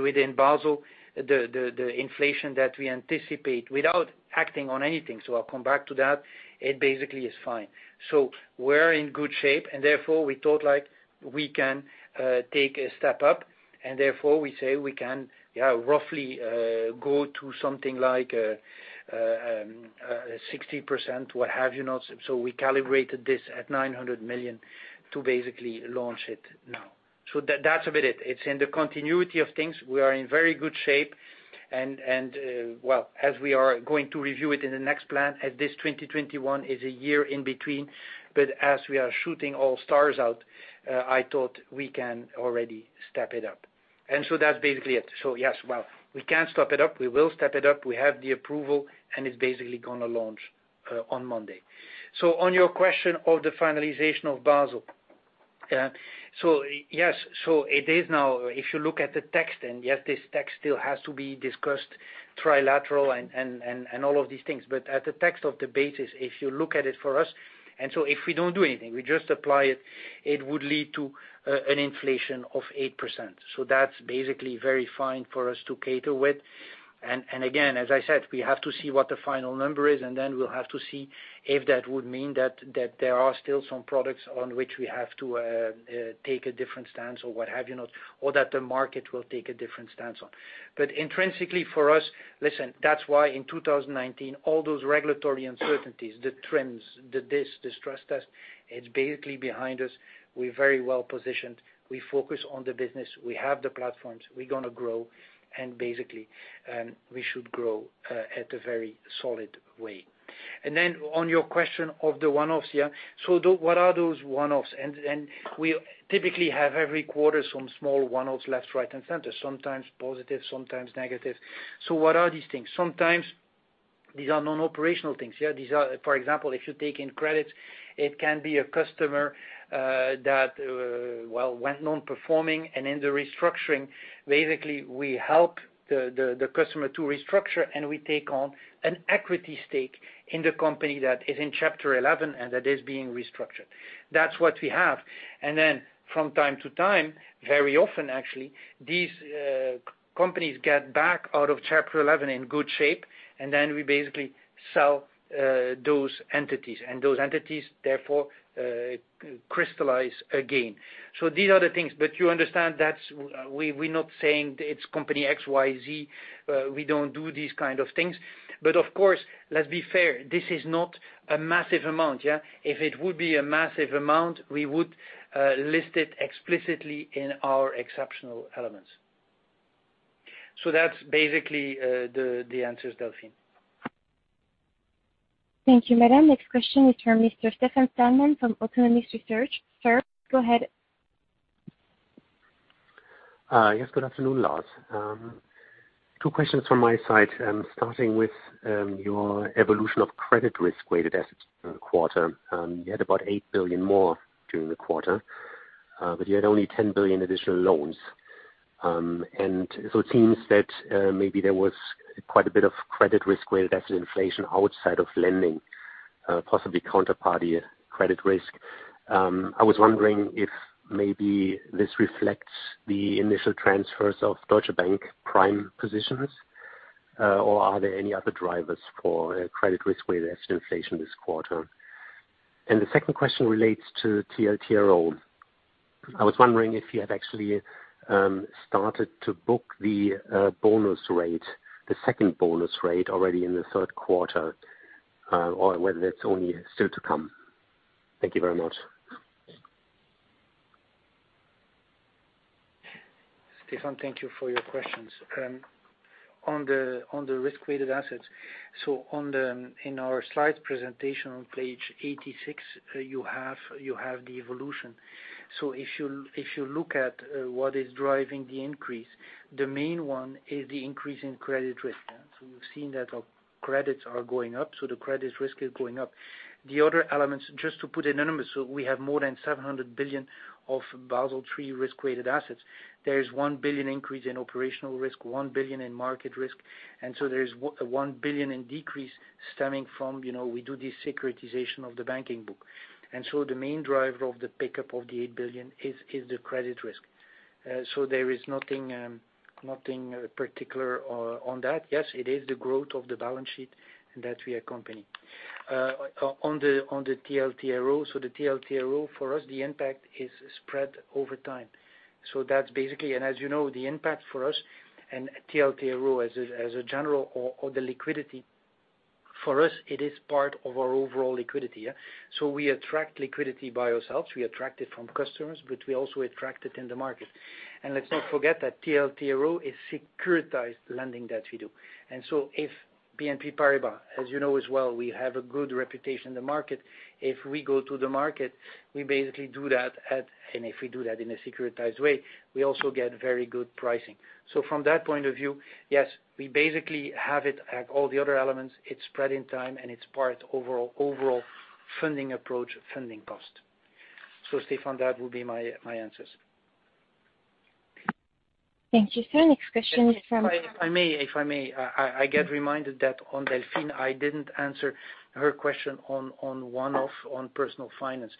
Within Basel, the inflation that we anticipate without acting on anything, so I'll come back to that, it basically is fine. We're in good shape, and therefore we thought like we can take a step up, and therefore we say we can roughly go to something like 60%, what have you not. We calibrated this at 900 million to basically launch it now. That's a bit it. It's in the continuity of things. We are in very good shape and well, as we are going to review it in the next plan, as this 2021 is a year in between, but as we are shooting for all stars, I thought we can already step it up. That's basically it. Yes, well, we can step it up. We will step it up. We have the approval, and it's basically gonna launch on Monday. On your question of the finalization of Basel, yes. It is now, if you look at the text, and yes, this text still has to be discussed trilaterally and all of these things. As to the Basel, if you look at it for us, if we don't do anything, we just apply it would lead to an inflation of 8%. That's basically very fine for us to cater with. Again, as I said, we have to see what the final number is, and then we'll have to see if that would mean that there are still some products on which we have to take a different stance or what have you not, or that the market will take a different stance on. Intrinsically for us, listen, that's why in 2019, all those regulatory uncertainties, the TRIMs, the stress test, it's basically behind us. We're very well-positioned. We focus on the business. We have the platforms. We're gonna grow, and basically, we should grow at a very solid way. On your question of the one-offs, yeah. What are those one-offs? We typically have every quarter some small one-offs left, right, and center, sometimes positive, sometimes negative. What are these things? Sometimes these are non-operational things. Yeah, these are, for example, if you take in credits, it can be a customer that went non-performing and in the restructuring, basically, we help the customer to restructure, and we take on an equity stake in the company that is in Chapter 11 and that is being restructured. That's what we have. From time to time, very often actually, these companies get back out of Chapter 11 in good shape, and then we basically sell those entities. Those entities therefore crystallize again. These are the things. You understand that we're not saying it's company X, Y, Z. We don't do these kind of things. Of course, let's be fair, this is not a massive amount. If it would be a massive amount, we would list it explicitly in our exceptional elements. That's basically the answers, Delphine. Thank you, Madam. Next question is from Mr. Stefan Stalmann from Autonomous Research. Sir, go ahead. Yes. Good afternoon, Lars. Two questions from my side, starting with your evolution of credit risk-weighted assets per quarter. You had about 8 billion more during the quarter, but you had only 10 billion additional loans. It seems that maybe there was quite a bit of credit risk-weighted asset inflation outside of lending, possibly counterparty credit risk. I was wondering if maybe this reflects the initial transfers of Deutsche Bank prime positions, or are there any other drivers for credit risk-weighted asset inflation this quarter? The second question relates to TLTRO. I was wondering if you have actually started to book the bonus rate, the second bonus rate already in the third quarter, or whether that's only still to come. Thank you very much. Stephan, thank you for your questions. On the risk-weighted assets, in our slides presentation on page 86, you have the evolution. If you look at what is driving the increase, the main one is the increase in credit risk. We've seen that our credits are going up, so the credit risk is going up. The other elements, just to put it in a number, we have more than 700 billion of Basel III risk-weighted assets. There is 1 billion increase in operational risk, 1 billion in market risk, and there is one billion in decrease stemming from, you know, we do this securitization of the banking book. The main driver of the pickup of the 8 billion is the credit risk. There is nothing particular on that. Yes, it is the growth of the balance sheet that we accompany. On the TLTRO, the TLTRO, for us, the impact is spread over time. That's basically. As you know, the impact for us and TLTRO as a general or the liquidity, for us, it is part of our overall liquidity, yeah? We attract liquidity by ourselves. We attract it from customers, but we also attract it in the market. Let's not forget that TLTRO is securitized lending that we do. If BNP Paribas, as you know as well, we have a good reputation in the market. If we go to the market, we basically do that at. If we do that in a securitized way, we also get very good pricing. From that point of view, yes, we basically have it at all the other elements. It's spread in time, and it's part overall funding approach, funding cost. Stephan, that would be my answers. Thank you, sir. Next question is from If I may, I get reminded that on Delphine, I didn't answer her question on one-off on Personal Finance.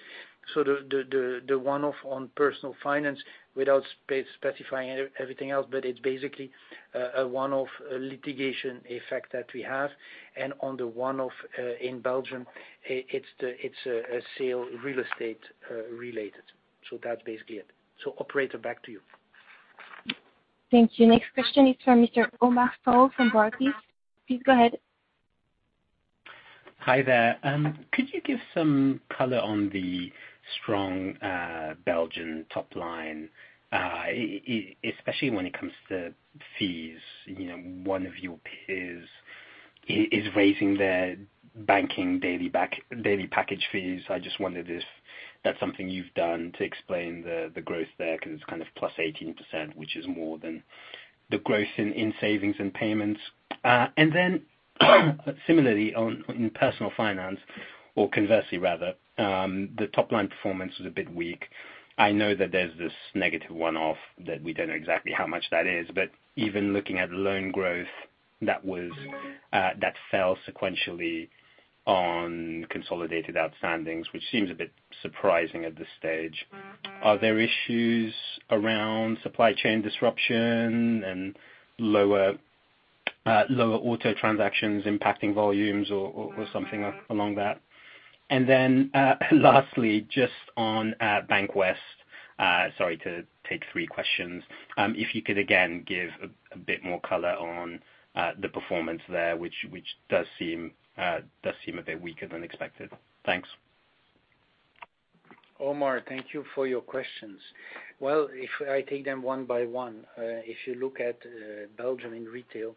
The one-off on Personal Finance, without specifying everything else, but it's basically a one-off litigation effect that we have. On the one-off in Belgium, it's a sale of real estate related. That's basically it. Operator, back to you. Thank you. Next question is from Mr. Omar Fall from Barclays. Please go ahead. Hi there. Could you give some color on the strong Belgian top line, especially when it comes to fees? You know, one of your peers is raising their banking daily package fees. I just wondered if that's something you've done to explain the growth there, 'cause it's kind of +18%, which is more than the growth in savings and payments. Similarly, in personal finance, or conversely rather, the top-line performance was a bit weak. I know that there's this negative one-off that we don't know exactly how much that is, but even looking at loan growth, that fell sequentially on consolidated outstanding's, which seems a bit surprising at this stage. Are there issues around supply chain disruption and lower auto transactions impacting volumes or something along that? Lastly, just on Bank of the West, sorry to take three questions. If you could again give a bit more color on the performance there, which does seem a bit weaker than expected. Thanks. Omar, thank you for your questions. Well, if I take them one by one, if you look at Belgium in retail,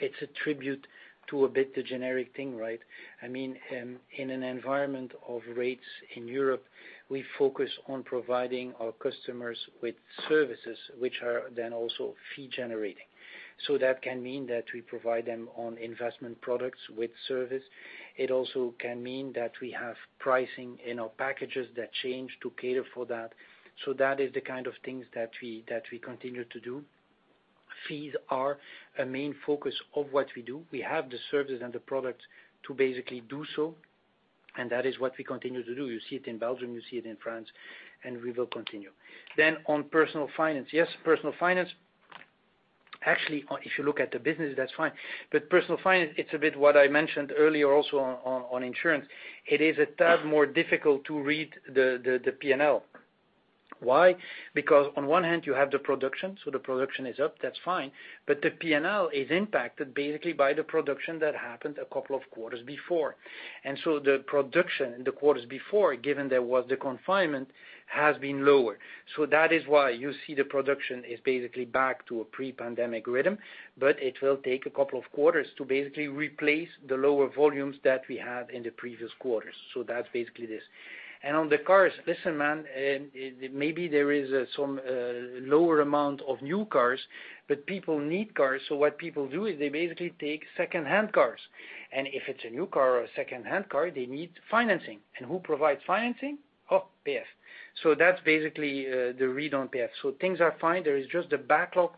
it's attributable to a bit the generic thing, right? I mean, in an environment of rates in Europe, we focus on providing our customers with services which are then also fee-generating. So that can mean that we provide them on investment products with service. It also can mean that we have pricing in our packages that change to cater for that. So that is the kind of things that we continue to do. Fees are a main focus of what we do. We have the services and the products to basically do so, and that is what we continue to do. You see it in Belgium, you see it in France, and we will continue. On Personal Finance. Yes, Personal Finance, actually, if you look at the business, that's fine. Personal Finance, it's a bit what I mentioned earlier also on insurance. It is a tad more difficult to read the P&L. Why? Because on one hand, you have the production, so the production is up, that's fine, but the P&L is impacted basically by the production that happened a couple of quarters before. The production in the quarters before, given there was the confinement, has been lower. That is why you see the production is basically back to a pre-pandemic rhythm. It will take a couple of quarters to basically replace the lower volumes that we had in the previous quarters. That's basically this. On the cars, listen, man, maybe there is some lower amount of new cars, but people need cars. What people do is they basically take second-hand cars, and if it's a new car or a second-hand car, they need financing. Who provides financing? Oh, PF. That's basically the read on PF. Things are fine. There is just a backlog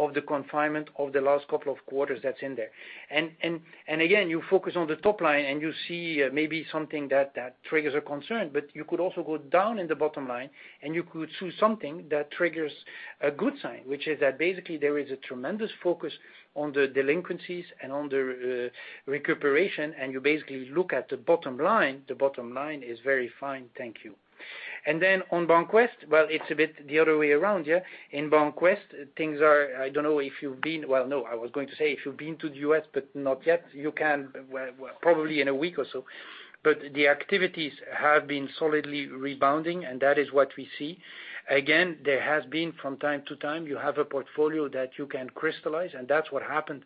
of the confinement of the last couple of quarters that's in there. And again, you focus on the top line and you see maybe something that triggers a concern, but you could also go down in the bottom line, and you could see something that triggers a good sign, which is that basically there is a tremendous focus on the delinquencies and on the recuperation, and you basically look at the bottom line. The bottom line is very fine, thank you. On BancWest, well, it's a bit the other way around, yeah. In BancWest, things are... Well, no, I was going to say if you've been to the U.S., but not yet. You can, well, probably in a week or so. The activities have been solidly rebounding, and that is what we see. Again, there has been from time to time, you have a portfolio that you can crystallize, and that's what happened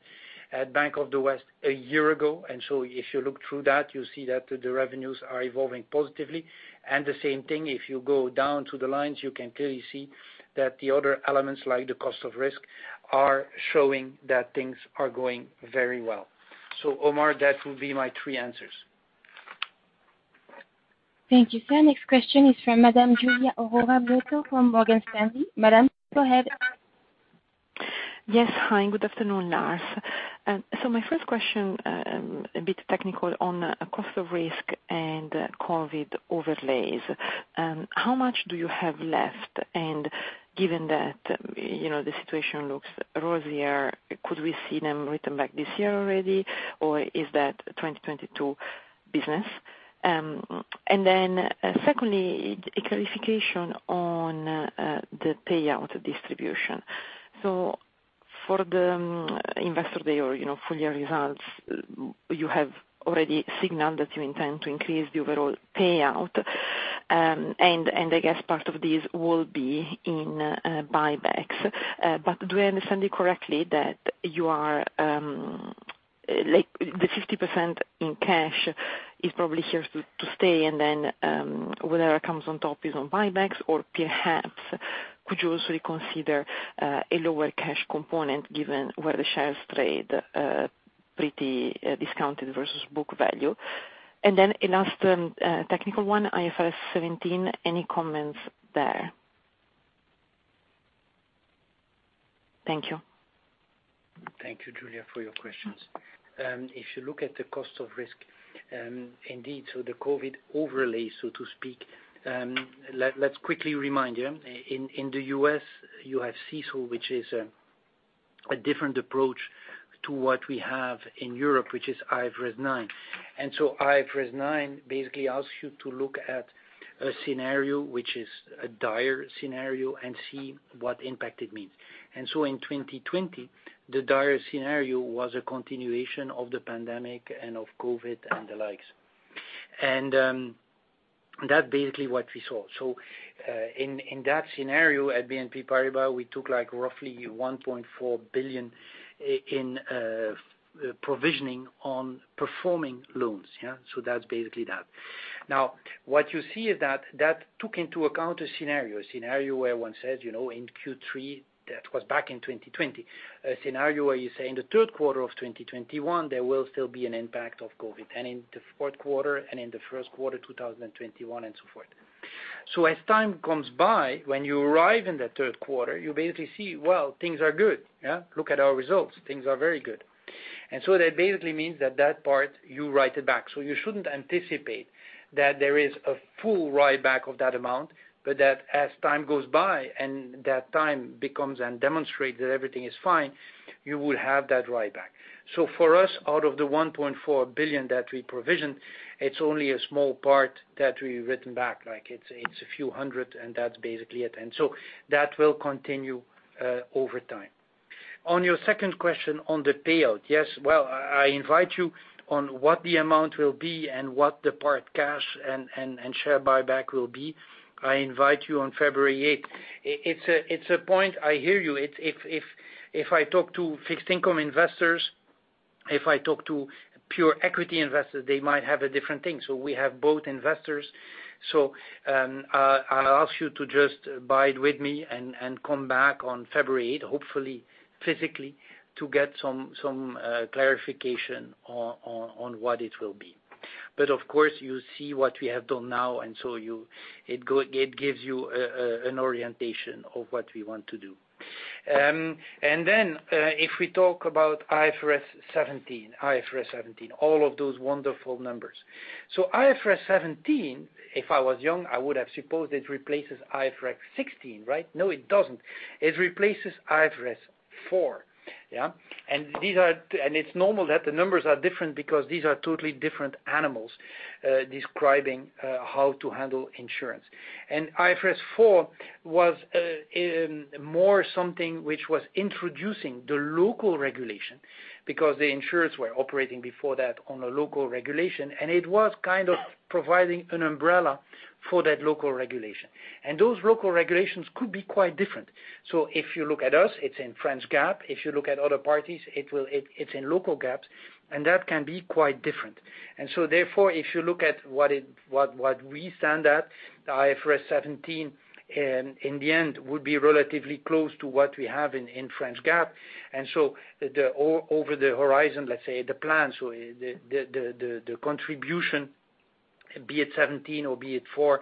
at Bank of the West a year ago. If you look through that, you see that the revenues are evolving positively. The same thing, if you go down to the lines, you can clearly see that the other elements, like the cost of risk, are showing that things are going very well. Omar, that would be my three answers. Thank you, sir. Next question is from Madame Giulia Aurora Miotto from Morgan Stanley. Madame, go ahead. Yes. Hi, and good afternoon, Lars. My first question, a bit technical on cost of risk and COVID overlays. How much do you have left? And given that, you know, the situation looks rosier, could we see them written back this year already, or is that 2022 business? Then secondly, a clarification on the payout distribution. For the investor day or, you know, full year results, you have already signaled that you intend to increase the overall payout, and I guess part of this will be in buybacks. Do I understand you correctly that you are, like the 50% in cash is probably here to stay, and then whatever comes on top is on buybacks. Perhaps could you also consider a lower cash component given where the shares trade pretty discounted versus book value? Then a last technical one, IFRS 17, any comments there? Thank you. Thank you, Julia, for your questions. If you look at the cost of risk, indeed, the COVID overlay, so to speak, let's quickly remind you. In the U.S. you have CECL, which is a different approach to what we have in Europe, which is IFRS 9. IFRS 9 basically asks you to look at a scenario which is a dire scenario and see what impact it means. In 2020, the dire scenario was a continuation of the pandemic and of COVID and the likes. That's basically what we saw. In that scenario at BNP Paribas, we took like roughly 1.4 billion in provisioning on performing loans, yeah. That's basically that. Now what you see is that took into account a scenario where one says, you know, in Q3, that was back in 2020, a scenario where you say in the third quarter of 2021, there will still be an impact of COVID, and in the fourth quarter and in the first quarter 2021, and so forth. As time comes by, when you arrive in the third quarter, you basically see, well, things are good. Yeah. Look at our results. Things are very good. That basically means that part, you write it back. You shouldn't anticipate that there is a full writeback of that amount, but that as time goes by and that time comes and demonstrates that everything is fine, you will have that writeback. For us, out of the 1.4 billion that we provisioned, it's only a small part that we've written back. Like it's a few hundred and that's basically it. That will continue over time. On your second question on the payout, yes, well, I'll come back to you on what the amount will be and what the cash part and share buyback will be. I'll come back to you on February eighth. It's a fair point. I hear you. If I talk to fixed income investors, if I talk to pure equity investors, they might have a different thing. We have both investors. I'll ask you to just bear with me and come back on February eighth, hopefully physically, to get some clarification on what it will be. Of course, you see what we have done now, and so it gives you an orientation of what we want to do. If we talk about IFRS 17, all of those wonderful numbers. IFRS 17, if I was young, I would have supposed it replaces IFRS 16, right? No, it doesn't. It replaces IFRS 4. Yeah. These are and it's normal that the numbers are different because these are totally different animals describing how to handle insurance. IFRS 4 was more something which was introducing the local regulation because the insurers were operating before that on a local regulation, and it was kind of providing an umbrella for that local regulation. Those local regulations could be quite different. If you look at us, it's in French GAAP. If you look at other parties, it's in local GAAPs, and that can be quite different. If you look at what we stand at, the IFRS 17 in the end would be relatively close to what we have in French GAAP. Over the horizon, let's say the plan, the contribution, be it 17 or be it four,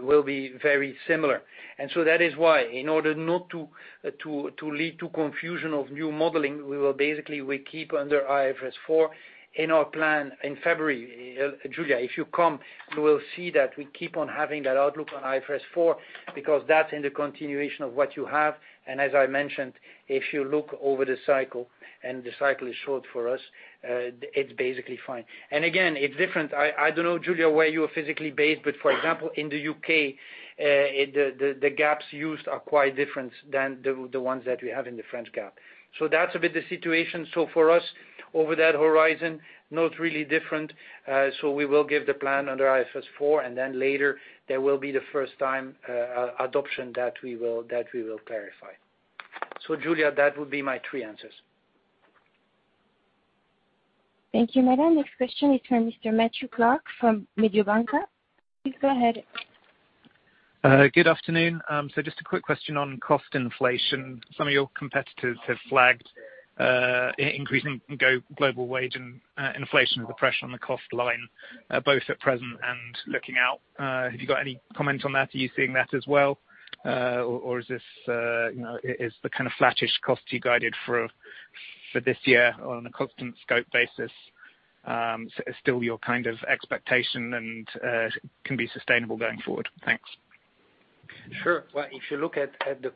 will be very similar. That is why in order not to lead to confusion over new modeling, we will basically keep under IFRS 4 in our plan in February. Julia, if you come, you will see that we keep on having that outlook on IFRS 4 because that's in the continuation of what you have. As I mentioned, if you look over the cycle, and the cycle is short for us, it's basically fine. Again, it's different. I don't know Julia, where you are physically based, but for example, in the U.K., the gaps used are quite different than the ones that we have in the French GAAP. That's a bit the situation. For us, over that horizon, not really different. We will give the plan under IFRS 4, and then later there will be the first time adoption that we will clarify. Julia, that would be my three answers. Thank you, Madame. Next question is from Mr. Matthew Clark from Mediobanca. Please go ahead. Good afternoon. Just a quick question on cost inflation. Some of your competitors have flagged increasing global wage and inflation as a pressure on the cost line, both at present and looking out. Have you got any comment on that? Are you seeing that as well? Or, you know, is the kind of flattish cost you guided for this year on a constant scope basis still your kind of expectation and can be sustainable going forward? Thanks. Sure. Well, if you look at the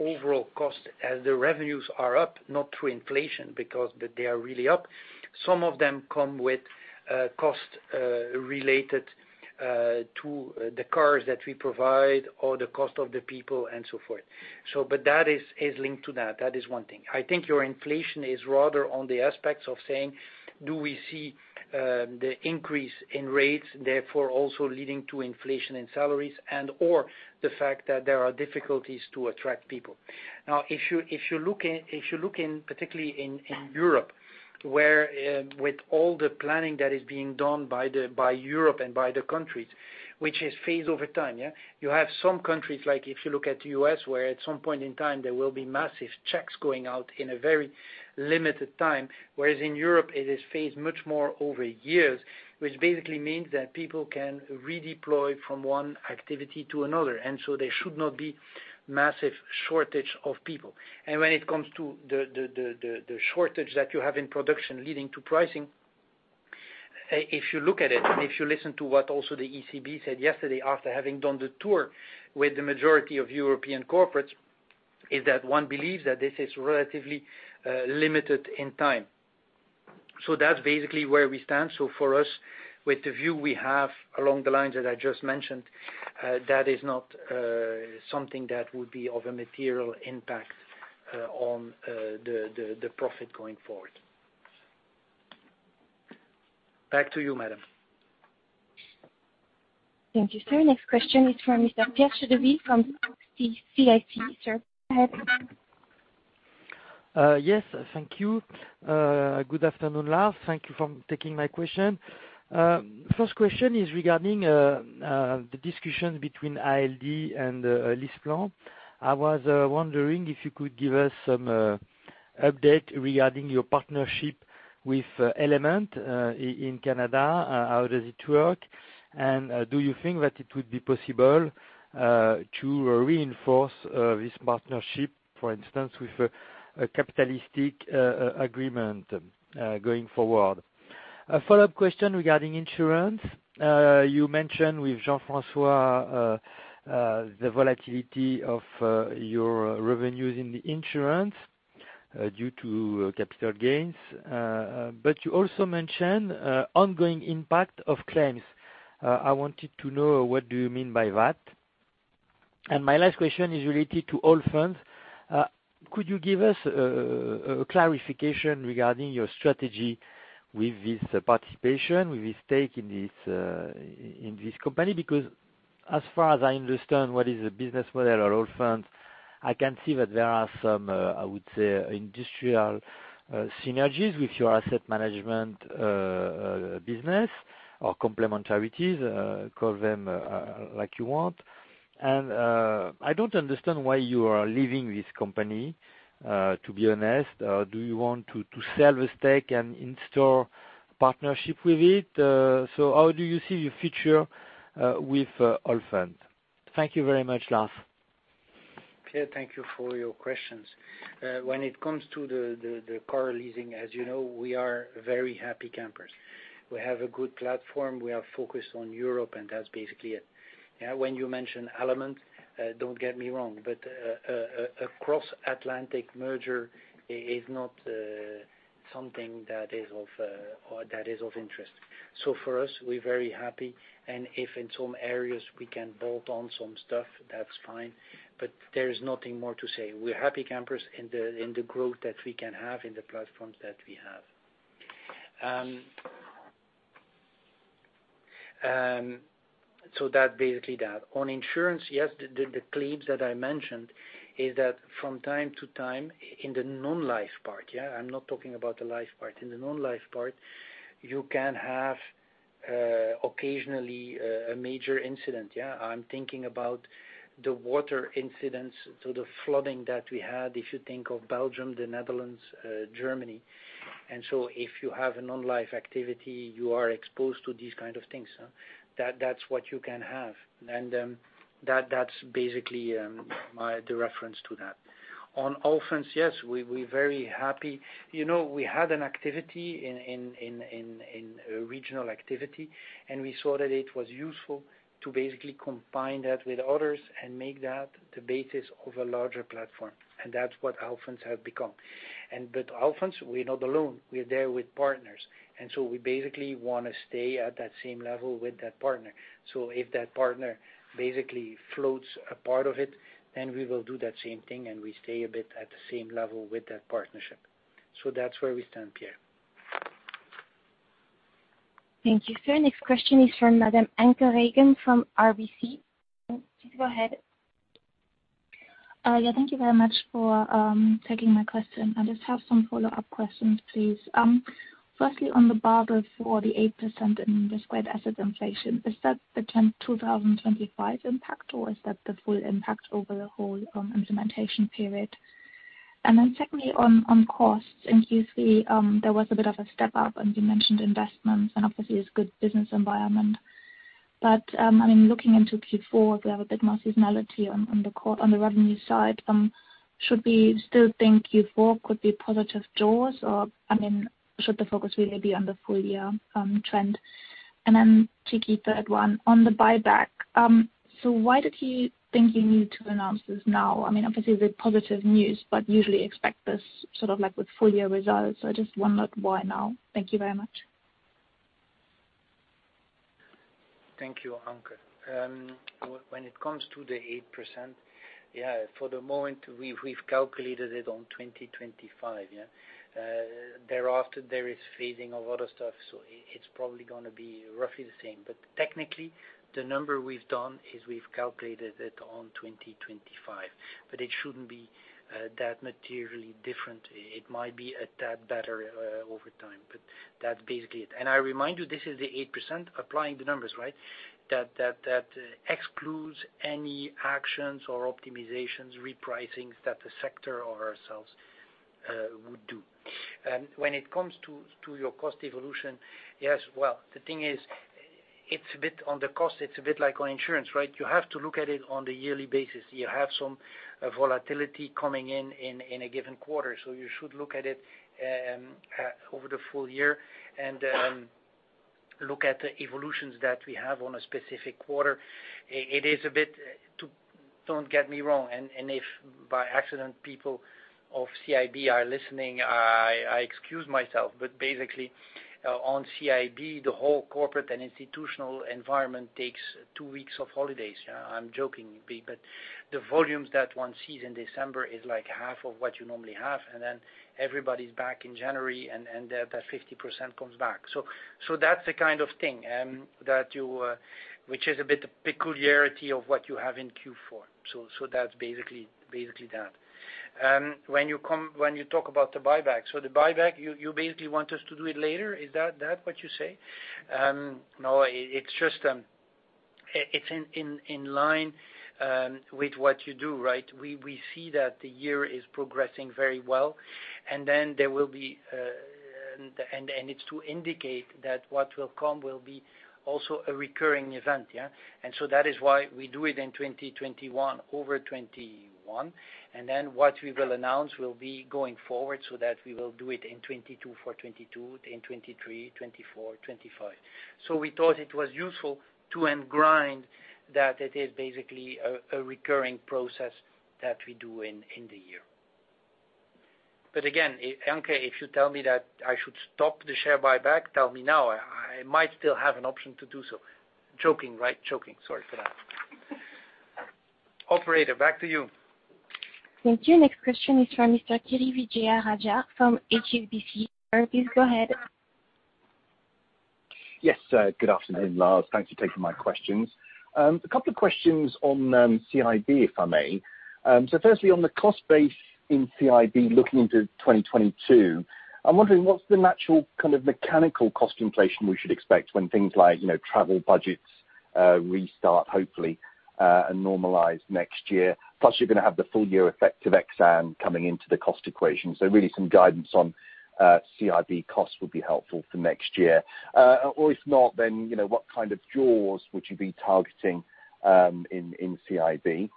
overall cost, as the revenues are up, not through inflation because they are really up, some of them come with cost related to the cars that we provide or the cost of the people and so forth. That is linked to that. That is one thing. I think your inflation is rather on the aspects of saying, do we see the increase in rates therefore also leading to inflation in salaries and or the fact that there are difficulties to attract people? Now, if you look at, particularly in Europe, where with all the planning that is being done by Europe and by the countries, which is phased over time, yeah, you have some countries, like if you look at the U.S., where at some point in time there will be massive checks going out in a very limited time. Whereas in Europe, it is phased much more over years, which basically means that people can redeploy from one activity to another. There should not be massive shortage of people. When it comes to the shortage that you have in production leading to pricing, if you look at it, if you listen to what also the ECB said yesterday after having done the tour with the majority of European corporates, is that one believes that this is relatively limited in time. That's basically where we stand. For us, with the view we have along the lines that I just mentioned, that is not something that would be of a material impact on the profit going forward. Back to you, madam. Thank you, sir. Next question is from Mr. Pierre Chédeville from CIC. Sir, go ahead. Yes, thank you. Good afternoon, Lars. Thank you for taking my question. First question is regarding the discussion between ALD and LeasePlan. I was wondering if you could give us some update regarding your partnership with Element in Canada. How does it work? And do you think that it would be possible to reinforce this partnership, for instance, with a capitalistic agreement going forward? A follow-up question regarding insurance. You mentioned with Jean-François the volatility of your revenues in the insurance due to capital gains. But you also mentioned ongoing impact of claims. I wanted to know, what do you mean by that? And my last question is related to Allfunds. Could you give us a clarification regarding your strategy with this participation, with this stake in this company? Because as far as I understand, what is the business model of Allfunds, I can see that there are some, I would say, industrial, synergies with your asset management, business or complementarities, call them, like you want. I don't understand why you are leaving this company, to be honest. Do you want to sell this stake and install partnership with it? How do you see your future with Allfunds? Thank you very much, Lars. Pierre, thank you for your questions. When it comes to the car leasing, as you know, we are very happy campers. We have a good platform. We are focused on Europe, and that's basically it. Yeah, when you mention Element, don't get me wrong, but a cross-Atlantic merger is not something that is of interest. For us, we're very happy. And if in some areas we can bolt on some stuff, that's fine, but there is nothing more to say. We're happy campers in the growth that we can have in the platforms that we have. That basically that. On insurance, yes, the claims that I mentioned is that from time to time in the non-life part, yeah, I'm not talking about the life part. In the non-life part, you can have occasionally a major incident. I'm thinking about the water incidents, so the flooding that we had, if you think of Belgium, the Netherlands, Germany. If you have a non-life activity, you are exposed to these kind of things. That's what you can have. That's basically my reference to that. On Allfunds, yes, we're very happy. You know, we had an activity in a regional activity, and we saw that it was useful to basically combine that with others and make that the basis of a larger platform, and that's what Allfunds have become. With Allfunds, we're not alone. We're there with partners. We basically wanna stay at that same level with that partner. If that partner basically floats a part of it, then we will do that same thing, and we stay a bit at the same level with that partnership. That's where we stand, Pierre. Thank you, sir. Next question is from Madame Anke Reingen from RBC. Please go ahead. Yeah, thank you very much for taking my question. I just have some follow-up questions, please. Firstly, on the Basel IV, the 8% in the RWA inflation, is that the 2025 impact, or is that the full impact over the whole implementation period? Secondly, on costs in Q3, there was a bit of a step up, and you mentioned investments, and obviously it's good business environment. I mean, looking into Q4, we have a bit more seasonality on the revenue side. Should we still think Q4 could be positive jaws or, I mean, should the focus really be on the full year trend? Cheeky third one, on the buyback, why did you think you need to announce this now? I mean, obviously the positive news, but we usually expect this sort of like with full year results. I just wondered why now. Thank you very much. Thank you, Anke. When it comes to the 8%, yeah, for the moment, we've calculated it on 2025, yeah. Thereafter, there is phasing of other stuff, so it's probably gonna be roughly the same. Technically, the number we've done is we've calculated it on 2025, but it shouldn't be that materially different. It might be a tad better over time, but that's basically it. I remind you, this is the 8% applying the numbers, right? That excludes any actions or optimizations, repricings that the sector or ourselves would do. When it comes to your cost evolution, yes, well, the thing is, it's a bit on the cost, it's a bit like on insurance, right? You have to look at it on the yearly basis. You have some volatility coming in a given quarter. You should look at it over the full year and look at the evolutions that we have in a specific quarter. Don't get me wrong. If by accident, people of CIB are listening, I excuse myself, but basically, on CIB, the whole corporate and institutional environment takes two weeks of holidays. You know, I'm joking, but the volumes that one sees in December is like half of what you normally have, and then everybody's back in January, and that 50% comes back. That's the kind of thing that you which is a bit peculiarity of what you have in Q4. That's basically that. When you talk about the buyback. The buyback, you basically want us to do it later. Is that what you say? No, it's just, it's in line with what you do, right? We see that the year is progressing very well, and then there will be, and it's to indicate that what will come will be also a recurring event, yeah. That is why we do it in 2021 over 2021. Then what we will announce will be going forward so that we will do it in 2022 for 2022, in 2023, 2024, 2025. We thought it was useful to ingrain that it is basically a recurring process that we do in the year. But again, Anke, if you tell me that I should stop the share buyback, tell me now. I might still have an option to do so. Joking, right? Joking. Sorry for that. Operator, back to you. Thank you. Next question is from Mr. Kiri Vijayarajah from HSBC. Sir, please go ahead. Yes, good afternoon, Lars. Thanks for taking my questions. A couple of questions on CIB, if I may. Firstly, on the cost base in CIB, looking into 2022, I'm wondering what's the natural kind of mechanical cost inflation we should expect when things like, you know, travel budgets restart, hopefully, and normalize next year. You're gonna have the full year effect of Exane coming into the cost equation. Really some guidance on CIB costs would be helpful for next year. Or if not, then, you know, what kind of jaws would you be targeting in CIB?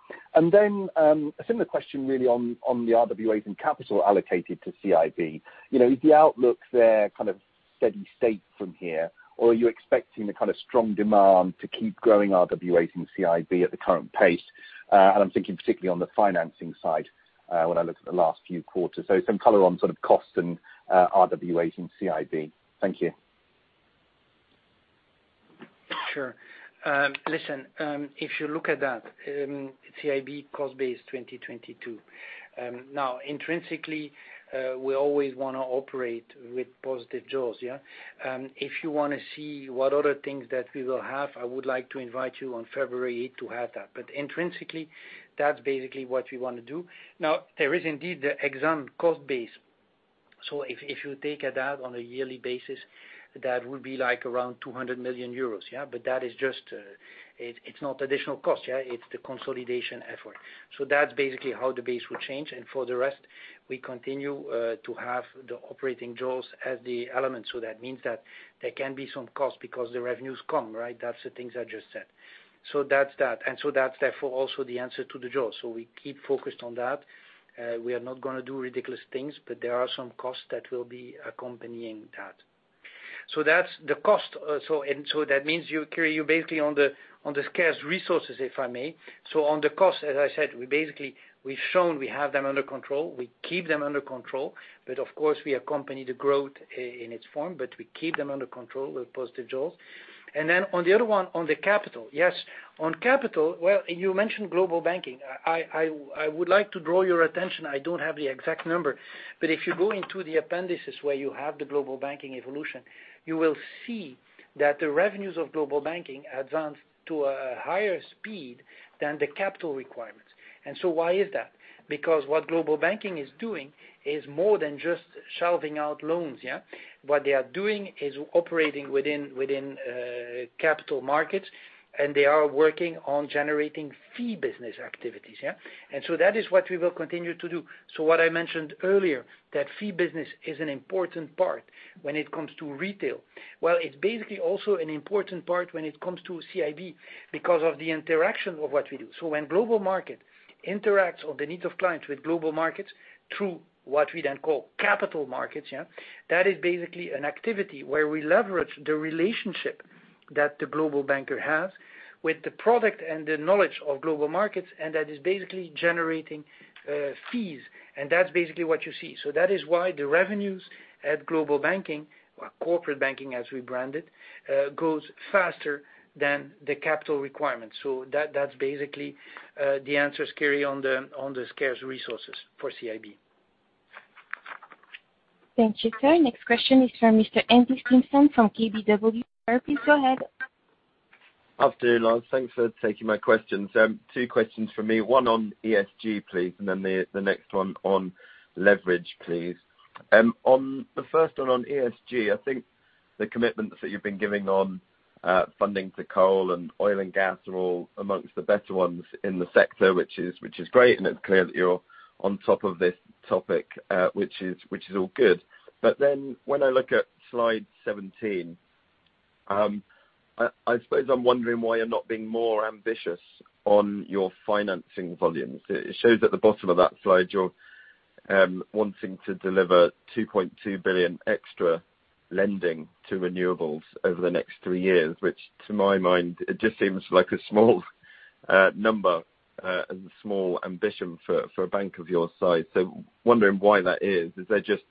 Then a similar question really on the RWAs and capital allocated to CIB. You know, is the outlook there kind of steady state from here, or are you expecting the kind of strong demand to keep growing RWAs in CIB at the current pace? I'm thinking particularly on the financing side, when I look at the last few quarters. Some color on sort of costs and RWAs in CIB. Thank you. Sure. Listen, if you look at that, CIB cost base 2022, now intrinsically, we always wanna operate with positive jaws, yeah. If you wanna see what other things that we will have, I would like to invite you on February eighth to have that. Intrinsically, that's basically what we wanna do. Now, there is indeed the Exane cost base. If you take that on a yearly basis, that would be like around 200 million euros, yeah. That is just, it's not additional cost, yeah. It's the consolidation effort. That's basically how the base will change. For the rest, we continue to have the operating jaws as the element. That means that there can be some cost because the revenues come, right? That's the thing I just said. That's that. That's therefore also the answer to the jaws. We keep focused on that. We are not gonna do ridiculous things, but there are some costs that will be accompanying that. That's the cost. That means you carry basically on the scarce resources, if I may. On the cost, as I said, we basically have shown we have them under control. We keep them under control, but of course, we accompany the growth in its form, but we keep them under control with positive jaws. On the other one, on the capital. Yes. On capital, well, you mentioned global banking. I would like to draw your attention. I don't have the exact number, but if you go into the appendices where you have the global banking evolution, you will see that the revenues of global banking advanced to a higher speed than the capital requirements. Why is that? Because what global banking is doing is more than just shelling out loans, yeah. What they are doing is operating within capital markets, and they are working on generating fee business activities, yeah. That is what we will continue to do. What I mentioned earlier, that fee business is an important part when it comes to retail. Well, it's basically also an important part when it comes to CIB because of the interaction of what we do. When Global Markets interacts with the needs of clients with Global Markets through what we then call capital markets, that is basically an activity where we leverage the relationship that the global banker has with the product and the knowledge of Global Markets, and that is basically generating fees. That's basically what you see. That is why the revenues at global banking or corporate banking, as we brand it, goes faster than the capital requirements. That's basically the answer, Kerry, on the scarce resources for CIB. Thank you, sir. Next question is from Mr. Andrew Stimpson from KBW. Sir, please go ahead. Afternoon, Lars. Thanks for taking my questions. two questions from me, one on ESG, please, and then the next one on leverage, please. On the first one on ESG, I think the commitments that you've been giving on funding for coal and oil and gas are all among the better ones in the sector, which is great, and it's clear that you're on top of this topic, which is all good. When I look at slide 17, I suppose I'm wondering why you're not being more ambitious on your financing volumes. It shows at the bottom of that slide you're wanting to deliver 2.2 billion extra lending to renewables over the next three years, which to my mind it just seems like a small number and small ambition for a bank of your size. Wondering why that is. Is there just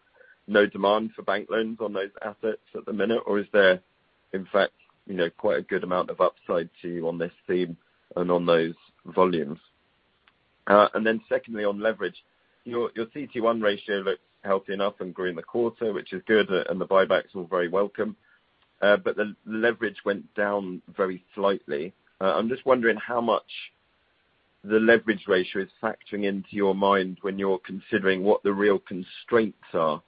no demand for bank loans on those assets at the minute, or is there, in fact, you know, quite a good amount of upside to you on this theme and on those volumes? Secondly, on leverage. Your CET1 ratio looks healthy enough and grew in the quarter, which is good, and the buybacks are very welcome. The leverage went down very slightly. I'm just wondering how much the leverage ratio is factoring into your mind when you're considering what the real constraints are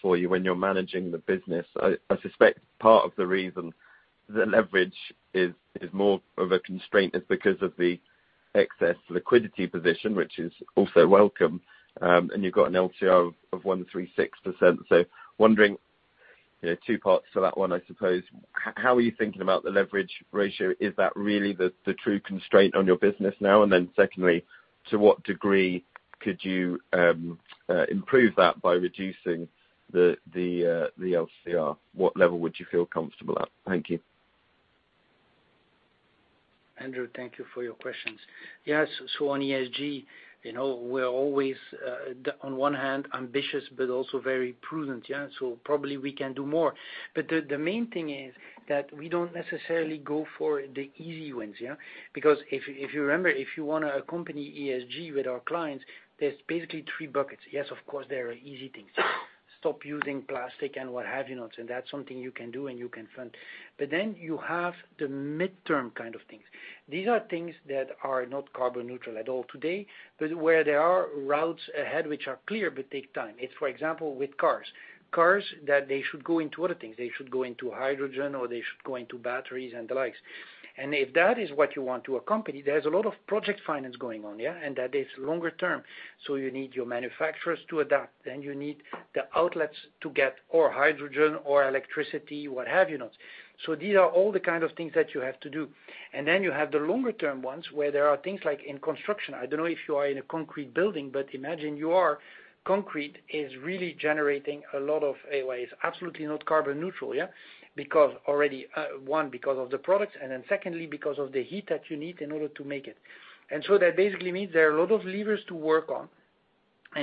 for you when you're managing the business. I suspect part of the reason the leverage is more of a constraint is because of the excess liquidity position, which is also welcome. You've got an LCR of 136%. Wondering, you know, two parts to that one, I suppose. How are you thinking about the leverage ratio? Is that really the true constraint on your business now? Then secondly, to what degree could you improve that by reducing the LCR? What level would you feel comfortable at? Thank you. Andrew Stimpson, thank you for your questions. Yes. On ESG, you know, we're always, on one hand, ambitious, but also very prudent, yeah. Probably we can do more. The main thing is that we don't necessarily go for the easy wins, yeah. If you remember, if you wanna accompany ESG with our clients, there's basically three buckets. Yes, of course, there are easy things. Stop using plastic and what have you not, and that's something you can do and you can fund. Then you have the midterm kind of things. These are things that are not carbon neutral at all today, but where there are routes ahead which are clear but take time. It's for example, with cars. Cars that they should go into other things. They should go into hydrogen, or they should go into batteries and the likes. If that is what you want to accomplish, there's a lot of project finance going on, yeah, and that is longer term. You need your manufacturers to adapt, then you need the outlets to get for hydrogen or electricity, what have you. These are all the kind of things that you have to do. You have the longer term ones where there are things like in construction. I don't know if you are in a concrete building, but imagine you are. Concrete is really generating a lot of emissions. It is absolutely not carbon neutral, yeah. Because already, one, because of the products, and then secondly, because of the heat that you need in order to make it. That basically means there are a lot of levers to work on.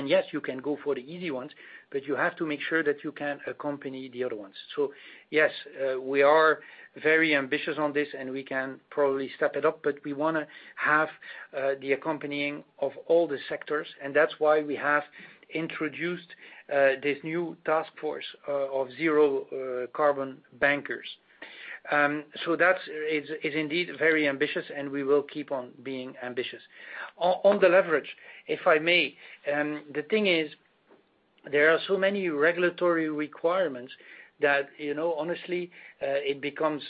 Yes, you can go for the easy ones, but you have to make sure that you can accompany the other ones. Yes, we are very ambitious on this, and we can probably step it up, but we want to have the accompanying of all the sectors, and that's why we have introduced this new task force of zero carbon bankers. That's indeed very ambitious, and we will keep on being ambitious. On the leverage, if I may, the thing is there are so many regulatory requirements that, you know, honestly, it becomes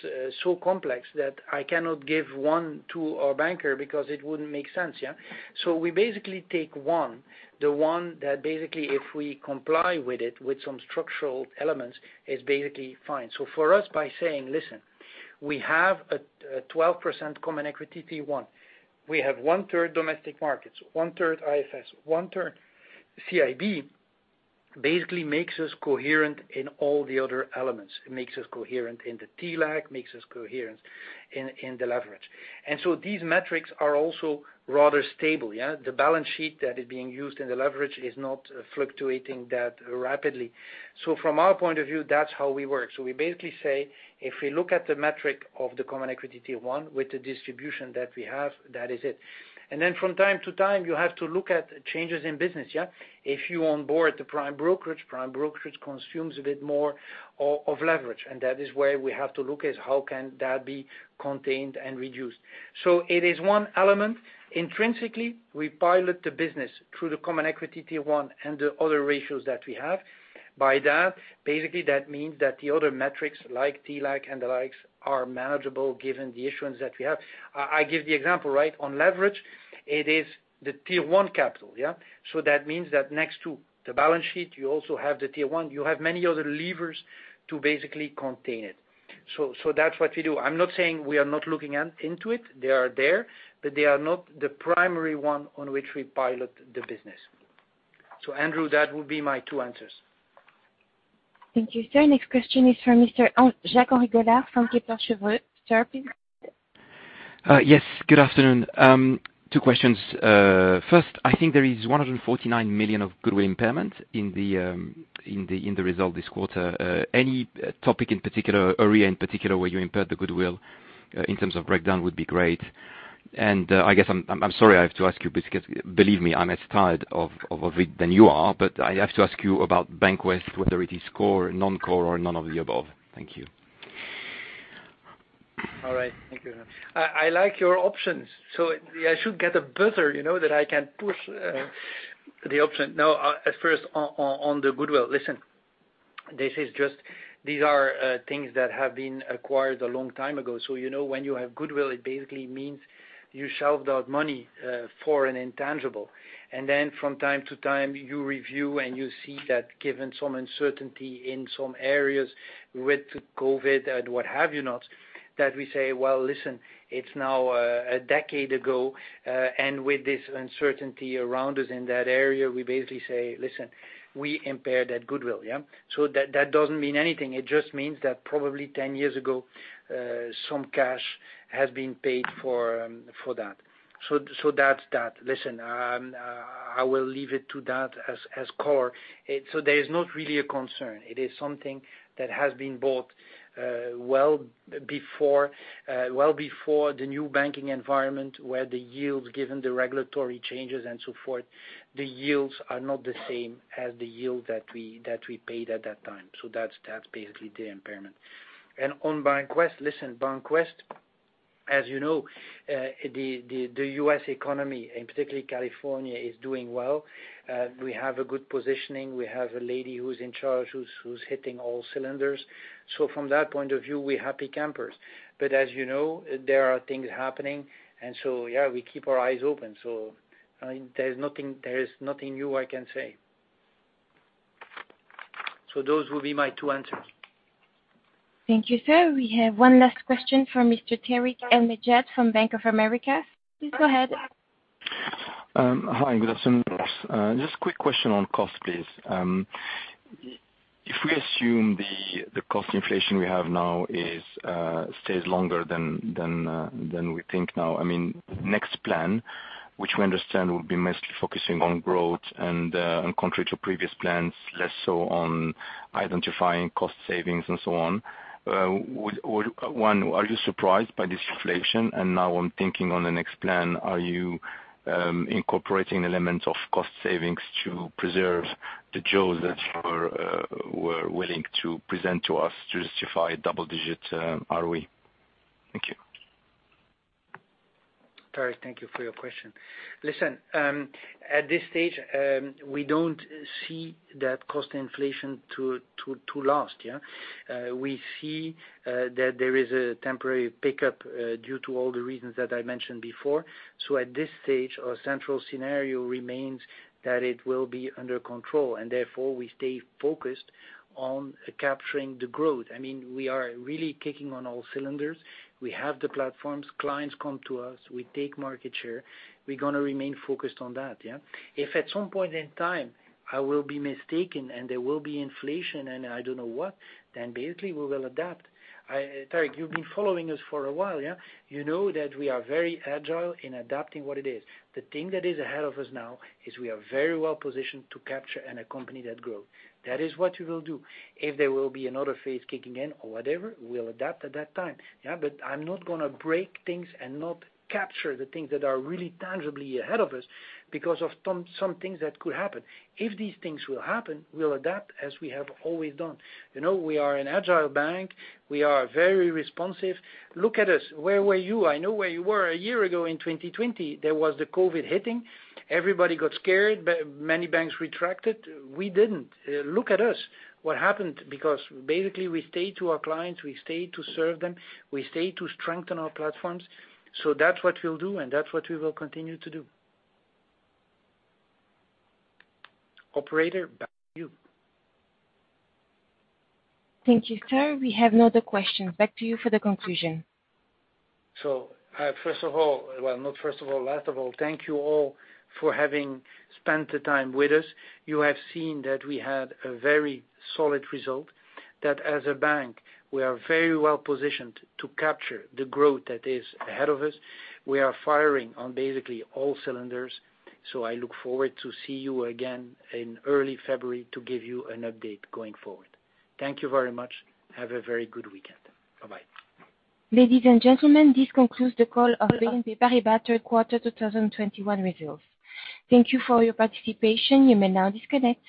so complex that I cannot give one to our banker because it wouldn't make sense, yeah? We basically take one, the one that basically if we comply with it, with some structural elements, is basically fine. For us by saying, "Listen, we have a 12% common equity tier one. We have one-third domestic markets, one-third IFS, one-third CIB," basically makes us coherent in all the other elements. It makes us coherent in the TLAC, makes us coherent in the leverage. These metrics are also rather stable, yeah. The balance sheet that is being used in the leverage is not fluctuating that rapidly. From our point of view, that's how we work. We basically say, if we look at the metric of the common equity tier one with the distribution that we have, that is it. Then from time to time, you have to look at changes in business, yeah. If you onboard the prime brokerage, prime brokerage consumes a bit more of leverage, and that is where we have to look at how can that be contained and reduced. It is one element. Intrinsically, we pilot the business through the common equity tier one and the other ratios that we have. By that, basically that means that the other metrics, like TLAC and the likes, are manageable given the issuance that we have. I give the example, right? On leverage, it is the tier one capital, yeah. That means that next to the balance sheet, you also have the tier one. You have many other levers to basically contain it. That's what we do. I'm not saying we are not looking into it. They are there, but they are not the primary one on which we pilot the business. Andrew, that would be my two answers. Thank you, sir. Next question is from Mr. Jacques-Henri Gaulard from Kepler Cheuvreux. Sir, please. Yes. Good afternoon. Two questions. First, I think there is 149 million of goodwill impairment in the result this quarter. Any topic in particular, area in particular where you impaired the goodwill, in terms of breakdown, would be great. I guess I'm sorry I have to ask you, because believe me, I'm as tired of it as you are, but I have to ask you about BancWest, whether it is core, non-core, or none of the above. Thank you. All right. Thank you. I like your options, so I should get a buzzer, you know, that I can push the option. No, at first, on the goodwill. Listen, this is just these are things that have been acquired a long time ago, so you know when you have goodwill, it basically means you shelled out money for an intangible. From time to time, you review and you see that given some uncertainty in some areas with COVID and what have you, that we say, "Well, listen, it's now a decade ago," and with this uncertainty around us in that area, we basically say, "Listen, we impair that goodwill," yeah. That doesn't mean anything. It just means that probably 10 years ago, some cash has been paid for that. That's that. Listen, I will leave it to that as core. There is not really a concern. It is something that has been bought well before the new banking environment where the yields, given the regulatory changes and so forth, the yields are not the same as the yield that we paid at that time. That's basically the impairment. On BancWest, as you know, the U.S. economy, and particularly California, is doing well. We have a good positioning. We have a lady who's in charge who's hitting all cylinders. From that point of view, we're happy campers. As you know, there are things happening. Yeah, we keep our eyes open. I mean, there's nothing new I can say. Those will be my two answers. Thank you, sir. We have one last question from Mr. Tarik El Mejjad from Bank of America. Please go ahead. Hi. Good afternoon. Just a quick question on cost, please. If we assume the cost inflation we have now is stays longer than we think now, I mean, next plan, which we understand will be mostly focusing on growth and contrary to previous plans, less so on identifying cost savings and so on. One, are you surprised by this inflation? Now I'm thinking on the next plan, are you incorporating elements of cost savings to preserve the jewels that you were willing to present to us to justify double-digit ROE? Thank you. Tarik, thank you for your question. Listen, at this stage, we don't see that cost inflation to last, yeah. We see that there is a temporary pickup due to all the reasons that I mentioned before. At this stage, our central scenario remains that it will be under control, and therefore, we stay focused on capturing the growth. I mean, we are really kicking on all cylinders. We have the platforms. Clients come to us. We take market share. We're gonna remain focused on that, yeah. If at some point in time I will be mistaken, and there will be inflation, and I don't know what, then basically we will adapt. Tarik, you've been following us for a while, yeah? You know that we are very agile in adapting what it is. The thing that is ahead of us now is we are very well positioned to capture and accompany that growth. That is what we will do. If there will be another phase kicking in or whatever, we'll adapt at that time, yeah. I'm not gonna break things and not capture the things that are really tangibly ahead of us because of some things that could happen. If these things will happen, we'll adapt as we have always done. You know, we are an agile bank. We are very responsive. Look at us. Where were you? I know where you were a year ago in 2020. There was the COVID hitting. Everybody got scared. Many banks retracted. We didn't. Look at us, what happened, because basically we stayed to our clients. We stayed to serve them. We stayed to strengthen our platforms. That's what we'll do, and that's what we will continue to do. Operator, back to you. Thank you, sir. We have no other questions. Back to you for the conclusion. Last of all, thank you all for having spent the time with us. You have seen that we had a very solid result, that as a bank, we are very well positioned to capture the growth that is ahead of us. We are firing on basically all cylinders. I look forward to see you again in early February to give you an update going forward. Thank you very much. Have a very good weekend. Bye-bye. Ladies and gentlemen, this concludes the call of BNP Paribas' third quarter 2021 results. Thank you for your participation. You may now disconnect.